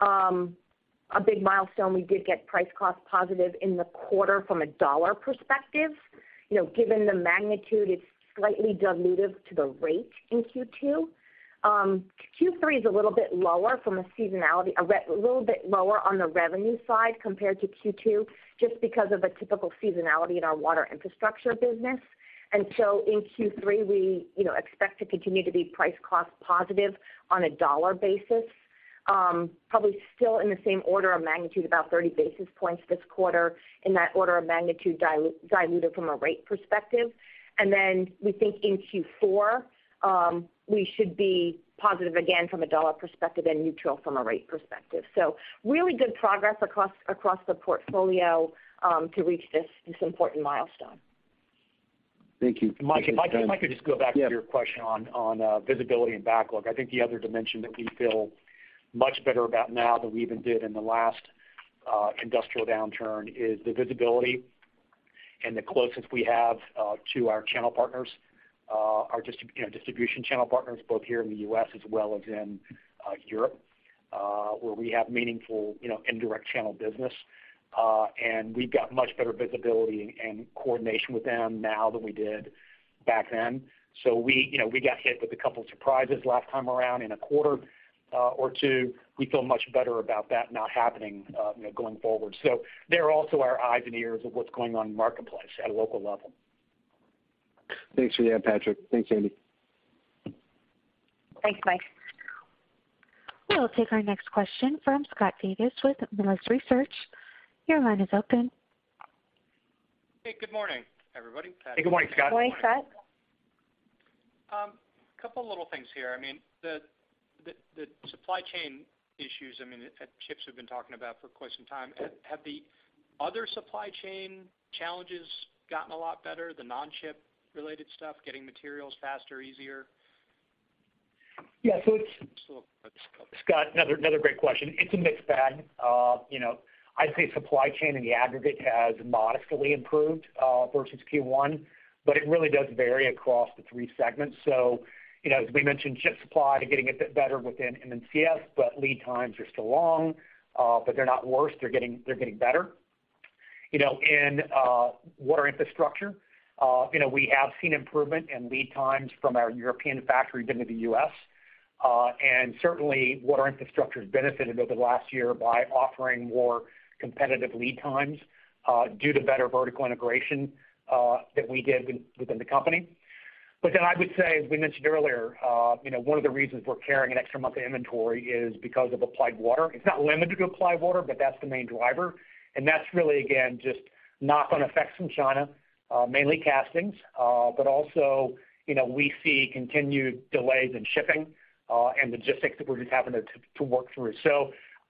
A big milestone, we did get price cost positive in the quarter from a dollar perspective. You know, given the magnitude, it's slightly dilutive to the rate in Q2. Q3 is a little bit lower from a seasonality, a little bit lower on the revenue side compared to Q2, just because of a typical seasonality in our Water Infrastructure business. In Q3, we, you know, expect to continue to be price cost positive on a dollar basis. Probably still in the same order of magnitude, about 30 basis points this quarter in that order of magnitude diluted from a rate perspective. We think in Q4 we should be positive again from a dollar perspective and neutral from a rate perspective. Really good progress across the portfolio to reach this important milestone. Thank you. Mike, if I could just go back to your question on visibility and backlog. I think the other dimension that we feel much better about now than we even did in the last industrial downturn is the visibility and the closeness we have to our channel partners, you know, our distribution channel partners, both here in the U.S. as well as in Europe, where we have meaningful, you know, indirect channel business. We've got much better visibility and coordination with them now than we did back then. We, you know, got hit with a couple surprises last time around in a quarter or two. We feel much better about that not happening, you know, going forward. They're also our eyes and ears on what's going on in the marketplace at a local level. Thanks for that, Patrick. Thanks, Sandy. Thanks, Mike. We'll take our next question from Scott Davis with Melius Research. Your line is open. Hey, good morning, everybody. Hey, good morning, Scott. Good morning, Scott. Couple of little things here. I mean, the supply chain issues, I mean, at chips we've been talking about for quite some time. Have the other supply chain challenges gotten a lot better, the non-chip related stuff, getting materials faster, easier? Scott, another great question. It's a mixed bag. You know, I'd say supply chain in the aggregate has modestly improved versus Q1, but it really does vary across the three segments. You know, as we mentioned, chip supply, too, getting a bit better within M&CS, but lead times are still long, but they're not worse, they're getting better. You know, in Water Infrastructure, you know, we have seen improvement in lead times from our European factories into the U.S. Certainly Water Infrastructure has benefited over the last year by offering more competitive lead times due to better vertical integration that we did within the company. I would say, as we mentioned earlier, you know, one of the reasons we're carrying an extra month of inventory is because of Applied Water. It's not limited to Applied Water, but that's the main driver. That's really, again, just knock-on effects from China, mainly castings, but also, you know, we see continued delays in shipping and logistics that we're just having to work through.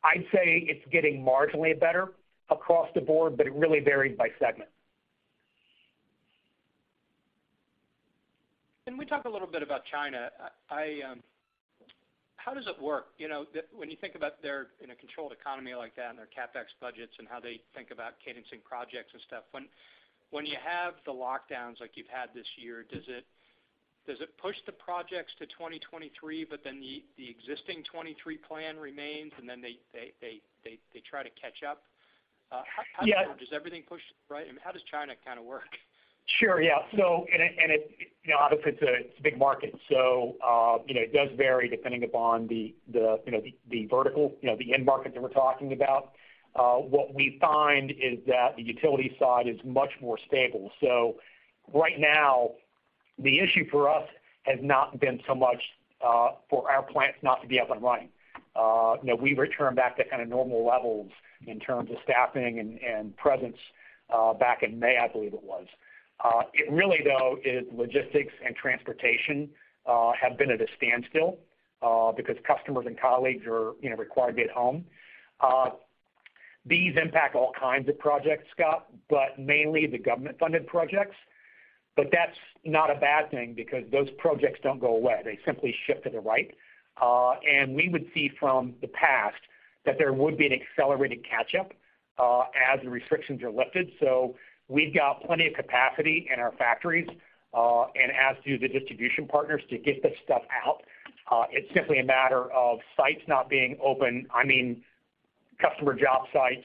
I'd say it's getting marginally better across the board, but it really varies by segment. Can we talk a little bit about China? How does it work? You know, when you think about there, in a controlled economy like that and their CapEx budgets and how they think about cadencing projects and stuff, when you have the lockdowns like you've had this year, does it push the projects to 2023, but then the existing 2023 plan remains, and then they try to catch up? How does it work? Does everything push right? I mean, how does China kind of work? You know, obviously it's a big market, so you know, it does vary depending upon the vertical, you know, the end market that we're talking about. What we find is that the utility side is much more stable. Right now, the issue for us has not been so much for our plants not to be up and running. You know, we returned back to kind of normal levels in terms of staffing and presence back in May, I believe it was. It really, though, is logistics and transportation have been at a standstill because customers and colleagues are you know required to be at home. These impact all kinds of projects, Scott, but mainly the government-funded projects. That's not a bad thing because those projects don't go away. They simply shift to the right. We would see from the past that there would be an accelerated catch-up as the restrictions are lifted. We've got plenty of capacity in our factories, and as do the distribution partners to get this stuff out. It's simply a matter of sites not being open. I mean, customer job sites,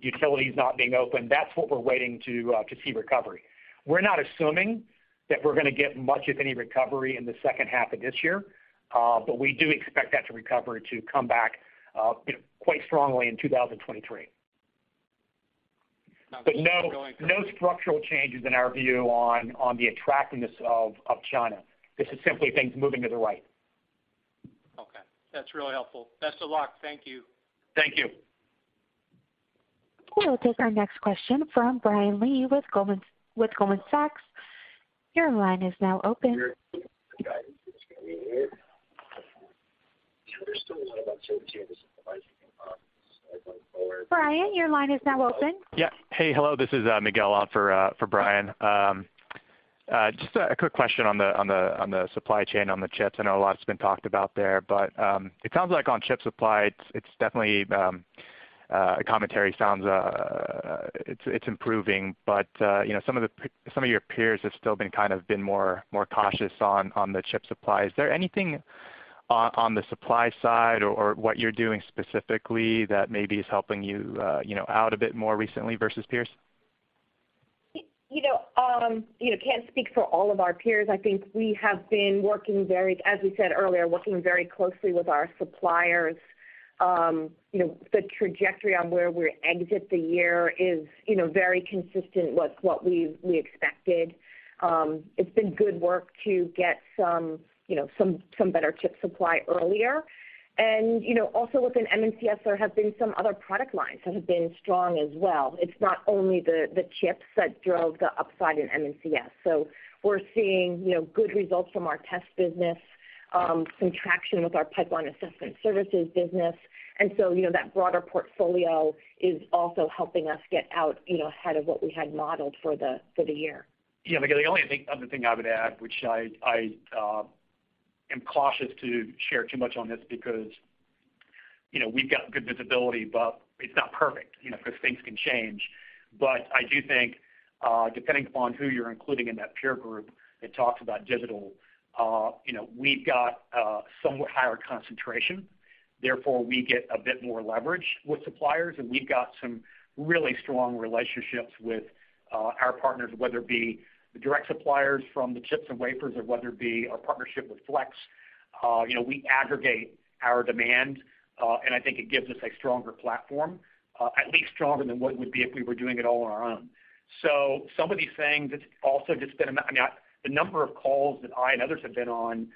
utilities not being open. That's what we're waiting to see recovery. We're not assuming that we're gonna get much of any recovery in the second half of this year, but we do expect that to recover to come back, you know, quite strongly in 2023. No structural changes in our view on the attractiveness of China. This is simply things moving to the right. Okay. That's really helpful. Best of luck. Thank you. Thank you. We'll take our next question from Brian Lee with Goldman, with Goldman Sachs. Your line is now open. Brian, your line is now open. Yeah. Hey, hello, this is Miguel on for Brian. Just a quick question on the supply chain on the chips. I know a lot's been talked about there, but it sounds like on chip supply, it's definitely the commentary sounds it's improving. But you know, some of your peers have still been kind of more cautious on the chip supply. Is there anything on the supply side or what you're doing specifically that maybe is helping you know, out a bit more recently versus peers? You know, can't speak for all of our peers. I think we have been working very, as we said earlier, working very closely with our suppliers. You know, the trajectory on where we exit the year is very consistent with what we expected. It's been good work to get some better chip supply earlier. You know, also within M&CS, there have been some other product lines that have been strong as well. It's not only the chips that drove the upside in M&CS. We're seeing good results from our test business, some traction with our pipeline assessment services business. You know, that broader portfolio is also helping us get out ahead of what we had modeled for the year. Yeah, Miguel, the other thing I would add, which I am cautious to share too much on this because, you know, we've got good visibility, but it's not perfect, you know, 'cause things can change. I do think, depending upon who you're including in that peer group that talks about digital, you know, we've got a somewhat higher concentration. Therefore, we get a bit more leverage with suppliers, and we've got some really strong relationships with, our partners, whether it be the direct suppliers from the chips and wafers or whether it be our partnership with Flex. You know, we aggregate our demand, and I think it gives us a stronger platform, at least stronger than what it would be if we were doing it all on our own. Some of these things, it's also just been. I mean, the number of calls that I and others have been on,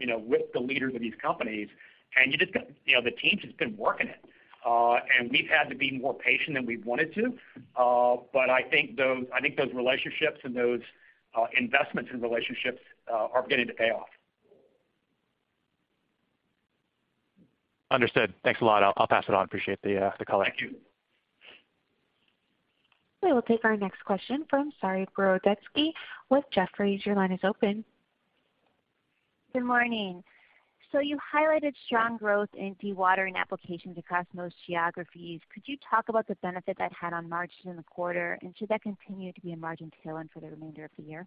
you know, with the leaders of these companies, and you just got, you know, the teams have been working it. We've had to be more patient than we've wanted to. I think those relationships and those investments in relationships are beginning to pay off. Understood. Thanks a lot. I'll pass it on. Appreciate the call. Thank you. We will take our next question from Saree Boroditsky with Jefferies. Your line is open. Good morning. You highlighted strong growth in dewatering applications across most geographies. Could you talk about the benefit that had on margins in the quarter? Should that continue to be a margin tailwind for the remainder of the year?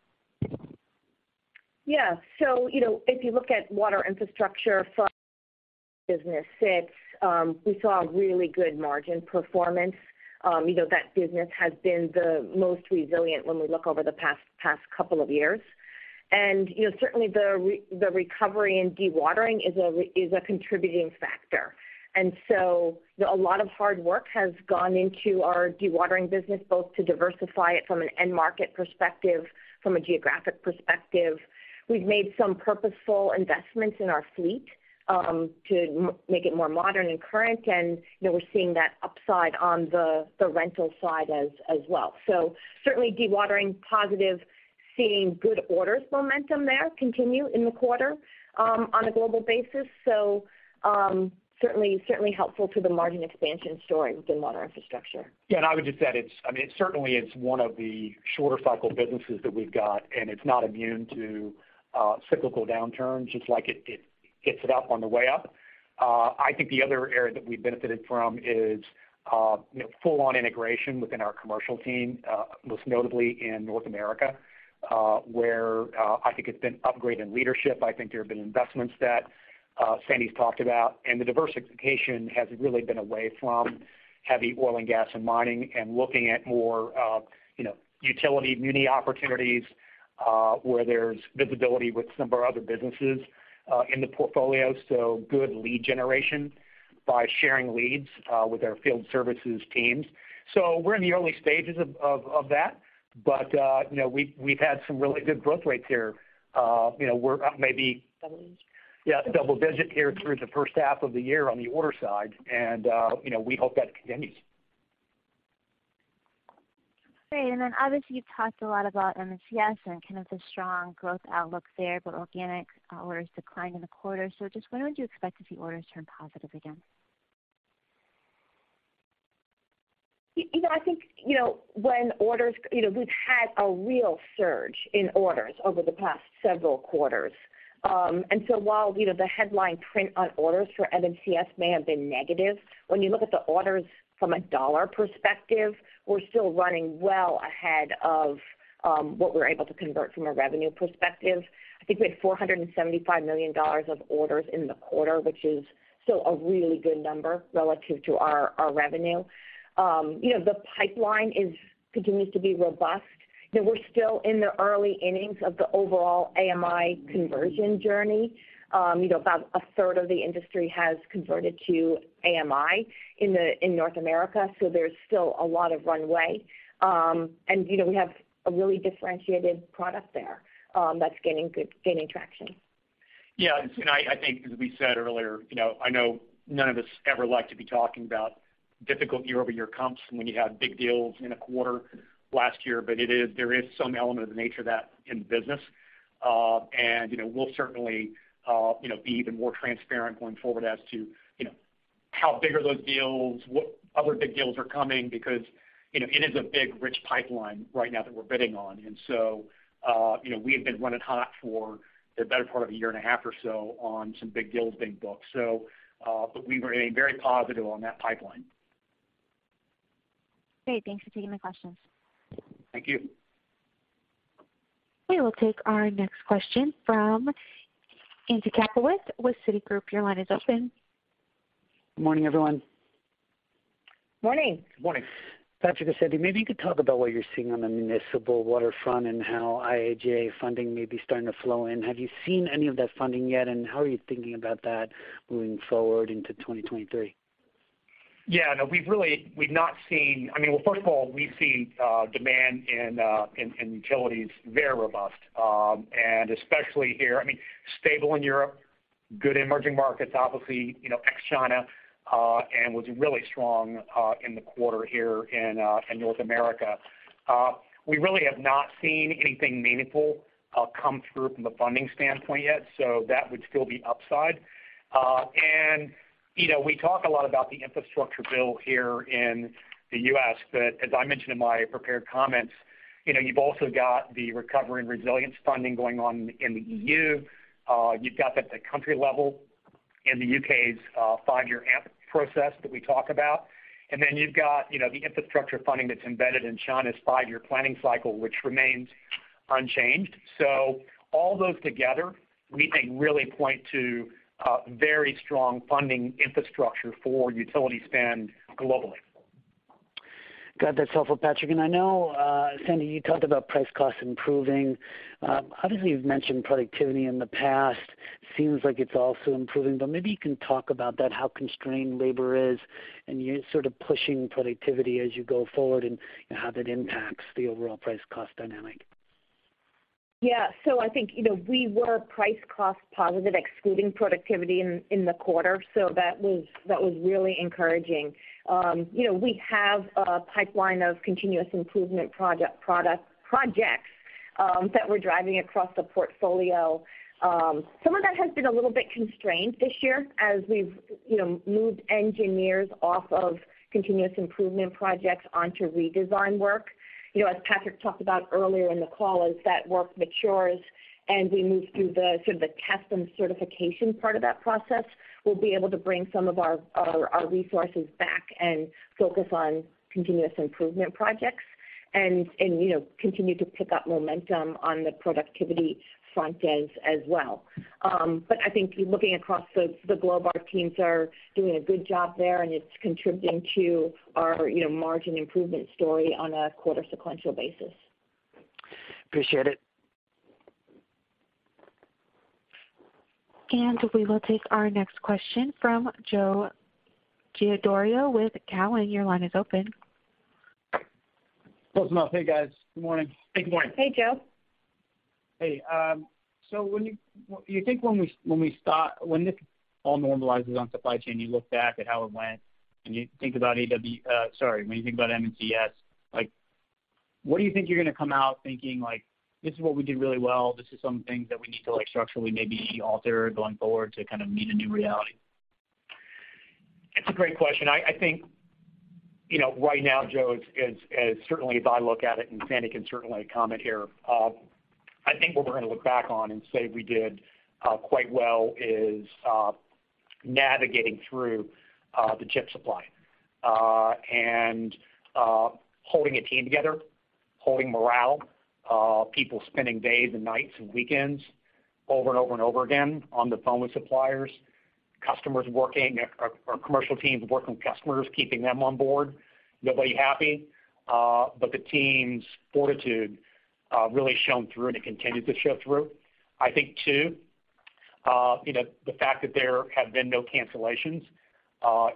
Yeah. You know, if you look at Water Infrastructure from business mix, we saw a really good margin performance. You know, that business has been the most resilient when we look over the past couple of years. You know, certainly the recovery in dewatering is a contributing factor. A lot of hard work has gone into our dewatering business, both to diversify it from an end market perspective, from a geographic perspective. We've made some purposeful investments in our fleet, to make it more modern and current, and, you know, we're seeing that upside on the rental side as well. Certainly dewatering positive, seeing good orders momentum there continue in the quarter, on a global basis. Certainly helpful to the margin expansion story within Water Infrastructure. Yeah, I would just add. I mean, it certainly is one of the shorter cycle businesses that we've got, and it's not immune to cyclical downturns. It's like it gets up on the way up. I think the other area that we benefited from is, you know, full on integration within our commercial team, most notably in North America, where I think it's been upgraded leadership. I think there have been investments that Sandy's talked about, and the diversification has really been away from heavy oil and gas and mining and looking at more, you know, utility muni opportunities, where there's visibility with some of our other businesses in the portfolio, so good lead generation by sharing leads with our field services teams. We're in the early stages of that. You know, we've had some really good growth rates here. You know, we're up maybe Double digits. Yeah, double-digit here through the first half of the year on the order side. You know, we hope that continues. Great. Then obviously, you've talked a lot about M&CS and kind of the strong growth outlook there, but organic orders declined in the quarter. Just when would you expect to see orders turn positive again? You know, I think you know when orders. You know, we've had a real surge in orders over the past several quarters. While you know the headline print on orders for M&CS may have been negative, when you look at the orders from a dollar perspective, we're still running well ahead of what we're able to convert from a revenue perspective. I think we had $475 million of orders in the quarter, which is still a really good number relative to our revenue. You know, the pipeline continues to be robust. You know, we're still in the early innings of the overall AMI conversion journey. You know, about a third of the industry has converted to AMI in North America, so there's still a lot of runway. You know, we have a really differentiated product there, that's gaining traction. Yeah. I think as we said earlier, you know, I know none of us ever like to be talking about difficult year-over-year comps when you have big deals in a quarter last year. There is some element that's the nature of business. You know, we'll certainly be even more transparent going forward as to, you know, how big are those deals, what other big deals are coming because, you know, it is a big, rich pipeline right now that we're bidding on. You know, we have been running hot for the better part of a year and a half or so on some big deals being booked. But we remain very positive on that pipeline. Great. Thanks for taking the questions. Thank you. We will take our next question from Andy Kaplowitz with Citigroup. Your line is open. Morning, everyone. Morning. Morning. Patrick or Sandy, maybe you could talk about what you're seeing on the municipal waterfront and how IIJA funding may be starting to flow in. Have you seen any of that funding yet, and how are you thinking about that moving forward into 2023? Yeah. No, I mean, well, first of all, we've seen demand in utilities very robust, and especially here, I mean, stable in Europe, good emerging markets, obviously, you know, ex China, and was really strong in the quarter here in North America. We really have not seen anything meaningful come through from a funding standpoint yet, so that would still be upside. You know, we talk a lot about the infrastructure bill here in the U.S., but as I mentioned in my prepared comments, you know, you've also got the recovery and resilience funding going on in the EU. You've got that at the country level in the U.K.'s five-year AMP process that we talk about. You've got, you know, the infrastructure funding that's embedded in China's five-year planning cycle, which remains unchanged. All those together, we think really point to a very strong funding infrastructure for utility spend globally. Got that. It's helpful, Patrick. I know, Sandy, you talked about price cost improving. Obviously, you've mentioned productivity in the past. Seems like it's also improving, but maybe you can talk about that, how constrained labor is, and you're sort of pushing productivity as you go forward and, you know, how that impacts the overall price cost dynamic? I think, you know, we were price cost positive excluding productivity in the quarter. That was really encouraging. You know, we have a pipeline of continuous improvement projects that we're driving across the portfolio. Some of that has been a little bit constrained this year as we've, you know, moved engineers off of continuous improvement projects onto redesign work. You know, as Patrick talked about earlier in the call, as that work matures and we move through the sort of the test and certification part of that process, we'll be able to bring some of our resources back and focus on continuous improvement projects and, you know, continue to pick up momentum on the productivity front end as well. I think looking across the globe, our teams are doing a good job there, and it's contributing to our, you know, margin improvement story on a quarter sequential basis. Appreciate it. We will take our next question from Joe Giordano with Cowen. Your line is open. Hey, guys. Good morning. Hey, good morning. Hey, Joe. Hey. Do you think when this all normalizes on supply chain, you look back at how it went and you think about M&CS, like, what do you think you're gonna come out thinking like, "This is what we did really well. This is some things that we need to, like, structurally maybe alter going forward to kind of meet a new reality"? It's a great question. I think, you know, right now, Joe, as certainly as I look at it, and Sandy can certainly comment here, I think what we're gonna look back on and say we did quite well is navigating through the chip supply and holding a team together, holding morale, people spending days and nights and weekends over and over and over again on the phone with suppliers, customers working, our commercial teams working with customers, keeping them on board, nobody happy. The team's fortitude really shown through and it continued to show through. I think, too, you know, the fact that there have been no cancellations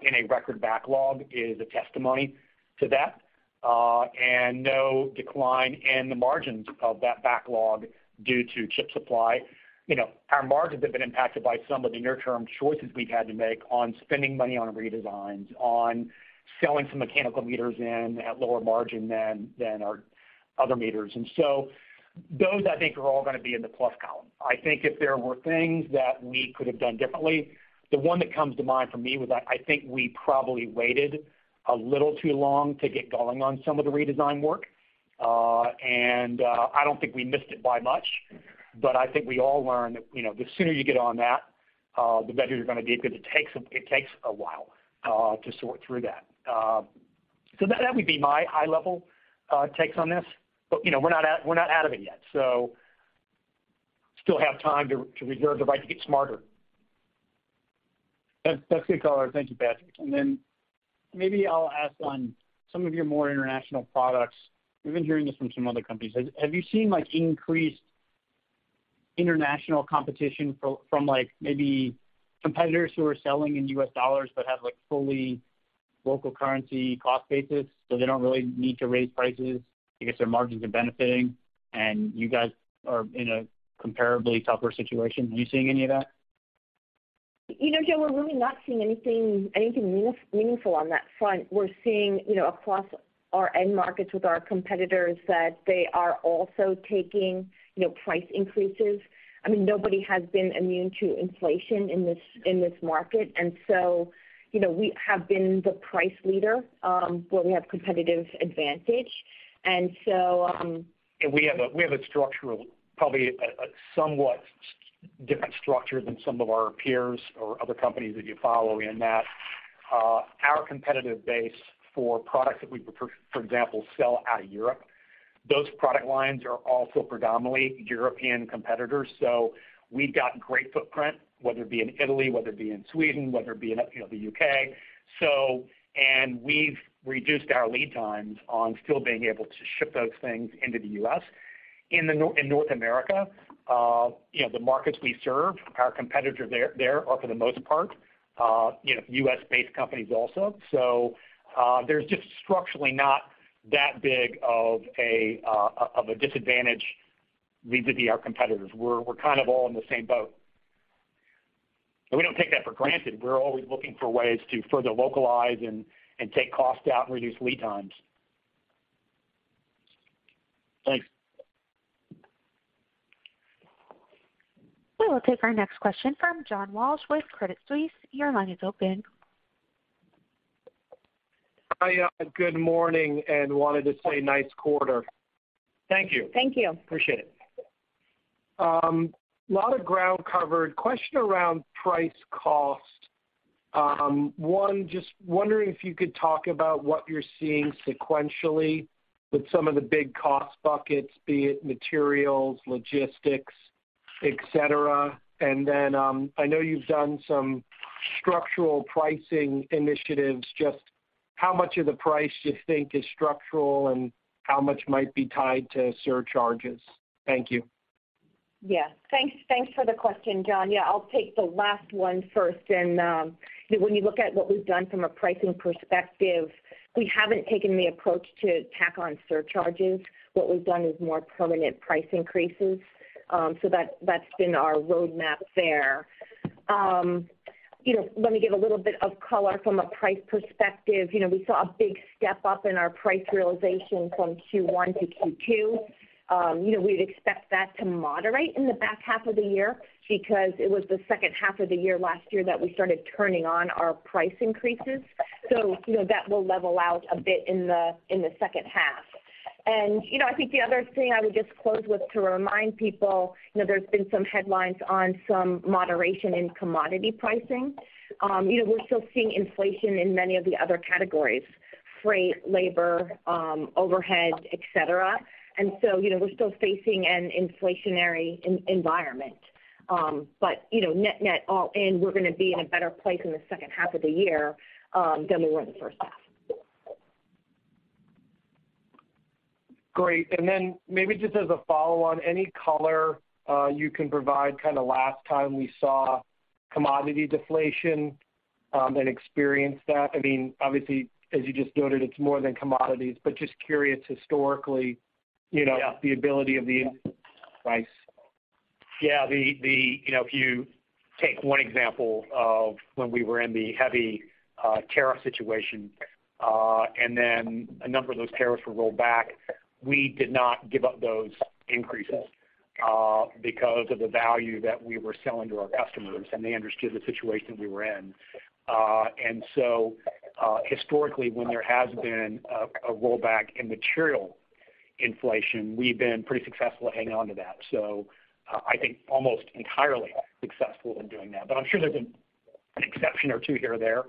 in a record backlog is a testimony to that and no decline in the margins of that backlog due to chip supply. You know, our margins have been impacted by some of the near-term choices we've had to make on spending money on redesigns, on selling some mechanical meters in at lower margin than our other meters. Those, I think, are all gonna be in the plus column. I think if there were things that we could have done differently, the one that comes to mind for me was I think we probably waited a little too long to get going on some of the redesign work. I don't think we missed it by much, but I think we all learned that, you know, the sooner you get on that, the better you're gonna be because it takes a while to sort through that. That would be my high level takes on this. You know, we're not out of it yet, so still have time to reserve the right to get smarter. That's a good call out. Thank you, Patrick. Maybe I'll ask on some of your more international products. We've been hearing this from some other companies. Have you seen like increased international competition from like maybe competitors who are selling in U.S. dollars but have like fully local currency cost basis, so they don't really need to raise prices because their margins are benefiting and you guys are in a comparably tougher situation? Are you seeing any of that? You know, Joe, we're really not seeing anything meaningful on that front. We're seeing, you know, across our end markets with our competitors that they are also taking, you know, price increases. I mean, nobody has been immune to inflation in this market. You know, we have been the price leader where we have competitive advantage. We have a structural, probably a somewhat different structure than some of our peers or other companies that you follow in that our competitive base for products that we prefer, for example, sell out of Europe, those product lines are also predominantly European competitors. We've got great footprint, whether it be in Italy, whether it be in Sweden, whether it be in, you know, the UK. We've reduced our lead times on still being able to ship those things into the U.S. In North America, you know, the markets we serve, our competitors there are, for the most part, you know, U.S.-based companies also. There's just structurally not that big of a disadvantage vis-à-vis our competitors. We're kind of all in the same boat. We don't take that for granted. We're always looking for ways to further localize and take costs out and reduce lead times. Thanks. We will take our next question from John Walsh with Credit Suisse. Your line is open. Hi, good morning, and wanted to say nice quarter. Thank you. Thank you. Appreciate it. A lot of ground covered. Question around price cost. One, just wondering if you could talk about what you're seeing sequentially with some of the big cost buckets, be it materials, logistics, et cetera. I know you've done some structural pricing initiatives. Just how much of the price do you think is structural and how much might be tied to surcharges? Thank you. Yeah. Thanks for the question, John. Yeah, I'll take the last one first. When you look at what we've done from a pricing perspective, we haven't taken the approach to tack on surcharges. What we've done is more permanent price increases. So that's been our roadmap there. You know, let me give a little bit of color from a price perspective. You know, we saw a big step up in our price realization from Q1 to Q2. You know, we'd expect that to moderate in the back half of the year because it was the second half of the year last year that we started turning on our price increases. You know, that will level out a bit in the second half. You know, I think the other thing I would just close with to remind people, you know, there's been some headlines on some moderation in commodity pricing. You know, we're still seeing inflation in many of the other categories: freight, labor, overhead, et cetera. You know, we're still facing an inflationary environment. You know, net-net, all in, we're gonna be in a better place in the second half of the year than we were in the first half. Great. Maybe just as a follow-on, any color you can provide kinda last time we saw commodity deflation and experienced that. I mean, obviously, as you just noted, it's more than commodities, but just curious historically, you know. Yeah the ability of the price. Yeah. The you know, if you take one example of when we were in the heavy tariff situation, and then a number of those tariffs were rolled back, we did not give up those increases, because of the value that we were selling to our customers, and they understood the situation we were in. Historically, when there has been a rollback in material inflation, we've been pretty successful at hanging on to that. I think almost entirely successful in doing that. I'm sure there's an exception or two here or there,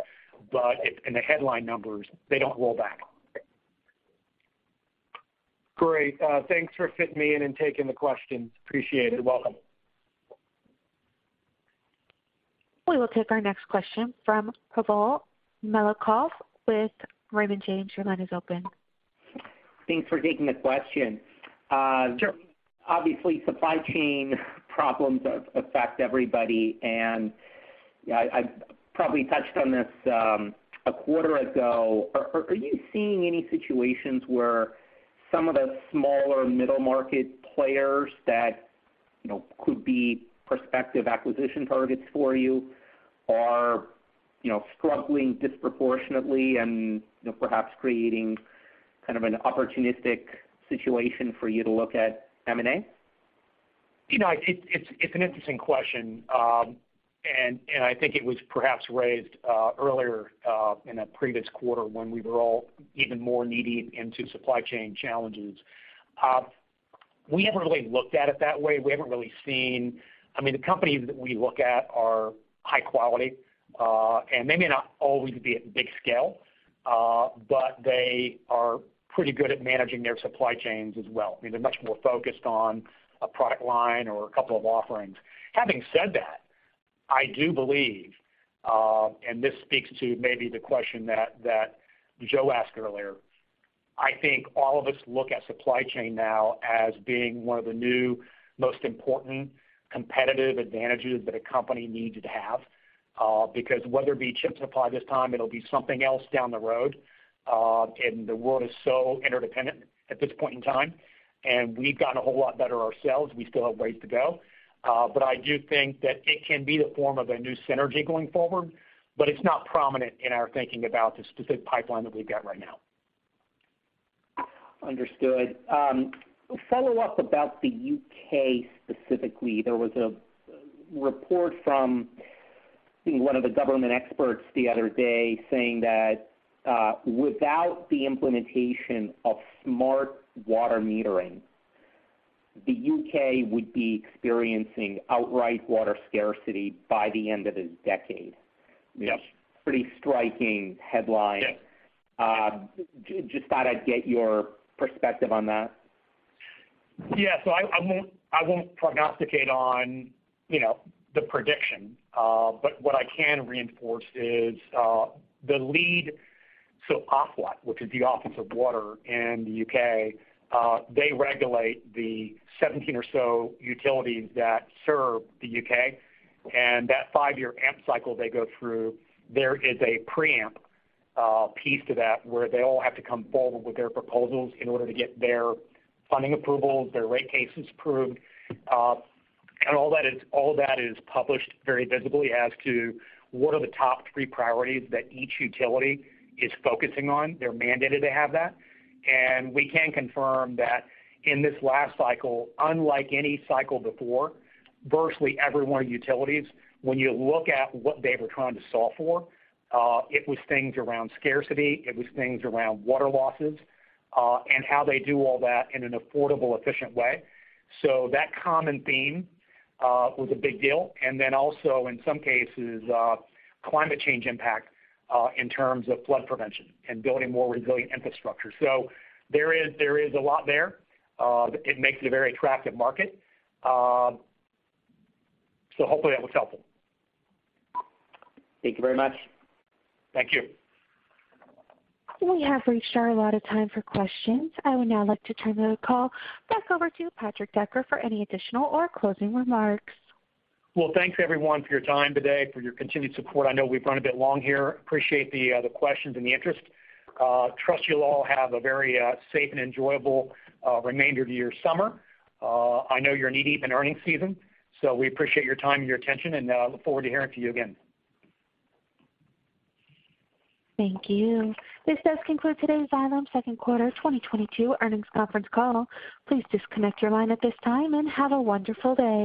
but in the headline numbers, they don't roll back. Great. Thanks for fitting me in and taking the questions. Appreciate it. You're welcome. We will take our next question from Pavel Molchanov with Raymond James. Your line is open. Thanks for taking the question. Sure. Obviously, supply chain problems affect everybody, and I probably touched on this a quarter ago. Are you seeing any situations where some of the smaller middle-market players that, you know, could be prospective acquisition targets for you are, you know, struggling disproportionately and, you know, perhaps creating kind of an opportunistic situation for you to look at M&A? You know, it's an interesting question. I think it was perhaps raised earlier in a previous quarter when we were all even more knee-deep into supply chain challenges. We haven't really looked at it that way. We haven't really seen. I mean, the companies that we look at are high quality, and they may not always be at big scale, but they are pretty good at managing their supply chains as well. I mean, they're much more focused on a product line or a couple of offerings. Having said that, I do believe and this speaks to maybe the question that Joe asked earlier, I think all of us look at supply chain now as being one of the new most important competitive advantages that a company needs to have. Because whether it be chip supply this time, it'll be something else down the road. The world is so interdependent at this point in time, and we've gotten a whole lot better ourselves. We still have ways to go. I do think that it can be the form of a new synergy going forward, but it's not prominent in our thinking about the specific pipeline that we've got right now. Understood. A follow-up about the U.K. specifically. There was a report from one of the government experts the other day saying that, without the implementation of smart water metering, the U.K. would be experiencing outright water scarcity by the end of this decade. Yeah. Which is a pretty striking headline. Yeah. Just thought I'd get your perspective on that. I won't prognosticate on, you know, the prediction. But what I can reinforce is Ofwat, which is the Office of Water in the U.K., they regulate the 17 or so utilities that serve the U.K. That five-year AMP cycle they go through, there is a pre-AMP piece to that, where they all have to come forward with their proposals in order to get their funding approvals, their rate cases approved. All that is published very visibly as to what are the top three priorities that each utility is focusing on. They're mandated to have that. We can confirm that in this last cycle, unlike any cycle before, virtually every one of the utilities, when you look at what they were trying to solve for, it was things around scarcity, it was things around water losses, and how they do all that in an affordable, efficient way. That common theme was a big deal, and then also in some cases, climate change impact, in terms of flood prevention and building more resilient infrastructure. There is a lot there. It makes it a very attractive market. Hopefully that was helpful. Thank you very much. Thank you. We have reached our allotted time for questions. I would now like to turn the call back over to Patrick Decker for any additional or closing remarks. Well, thanks everyone for your time today, for your continued support. I know we've run a bit long here. Appreciate the questions and the interest. Trust you'll all have a very safe and enjoyable remainder of your summer. I know you're knee-deep in earnings season, so we appreciate your time and your attention, and look forward to hearing from you again. Thank you. This does conclude today's Xylem second quarter 2022 earnings conference call. Please disconnect your line at this time and have a wonderful day.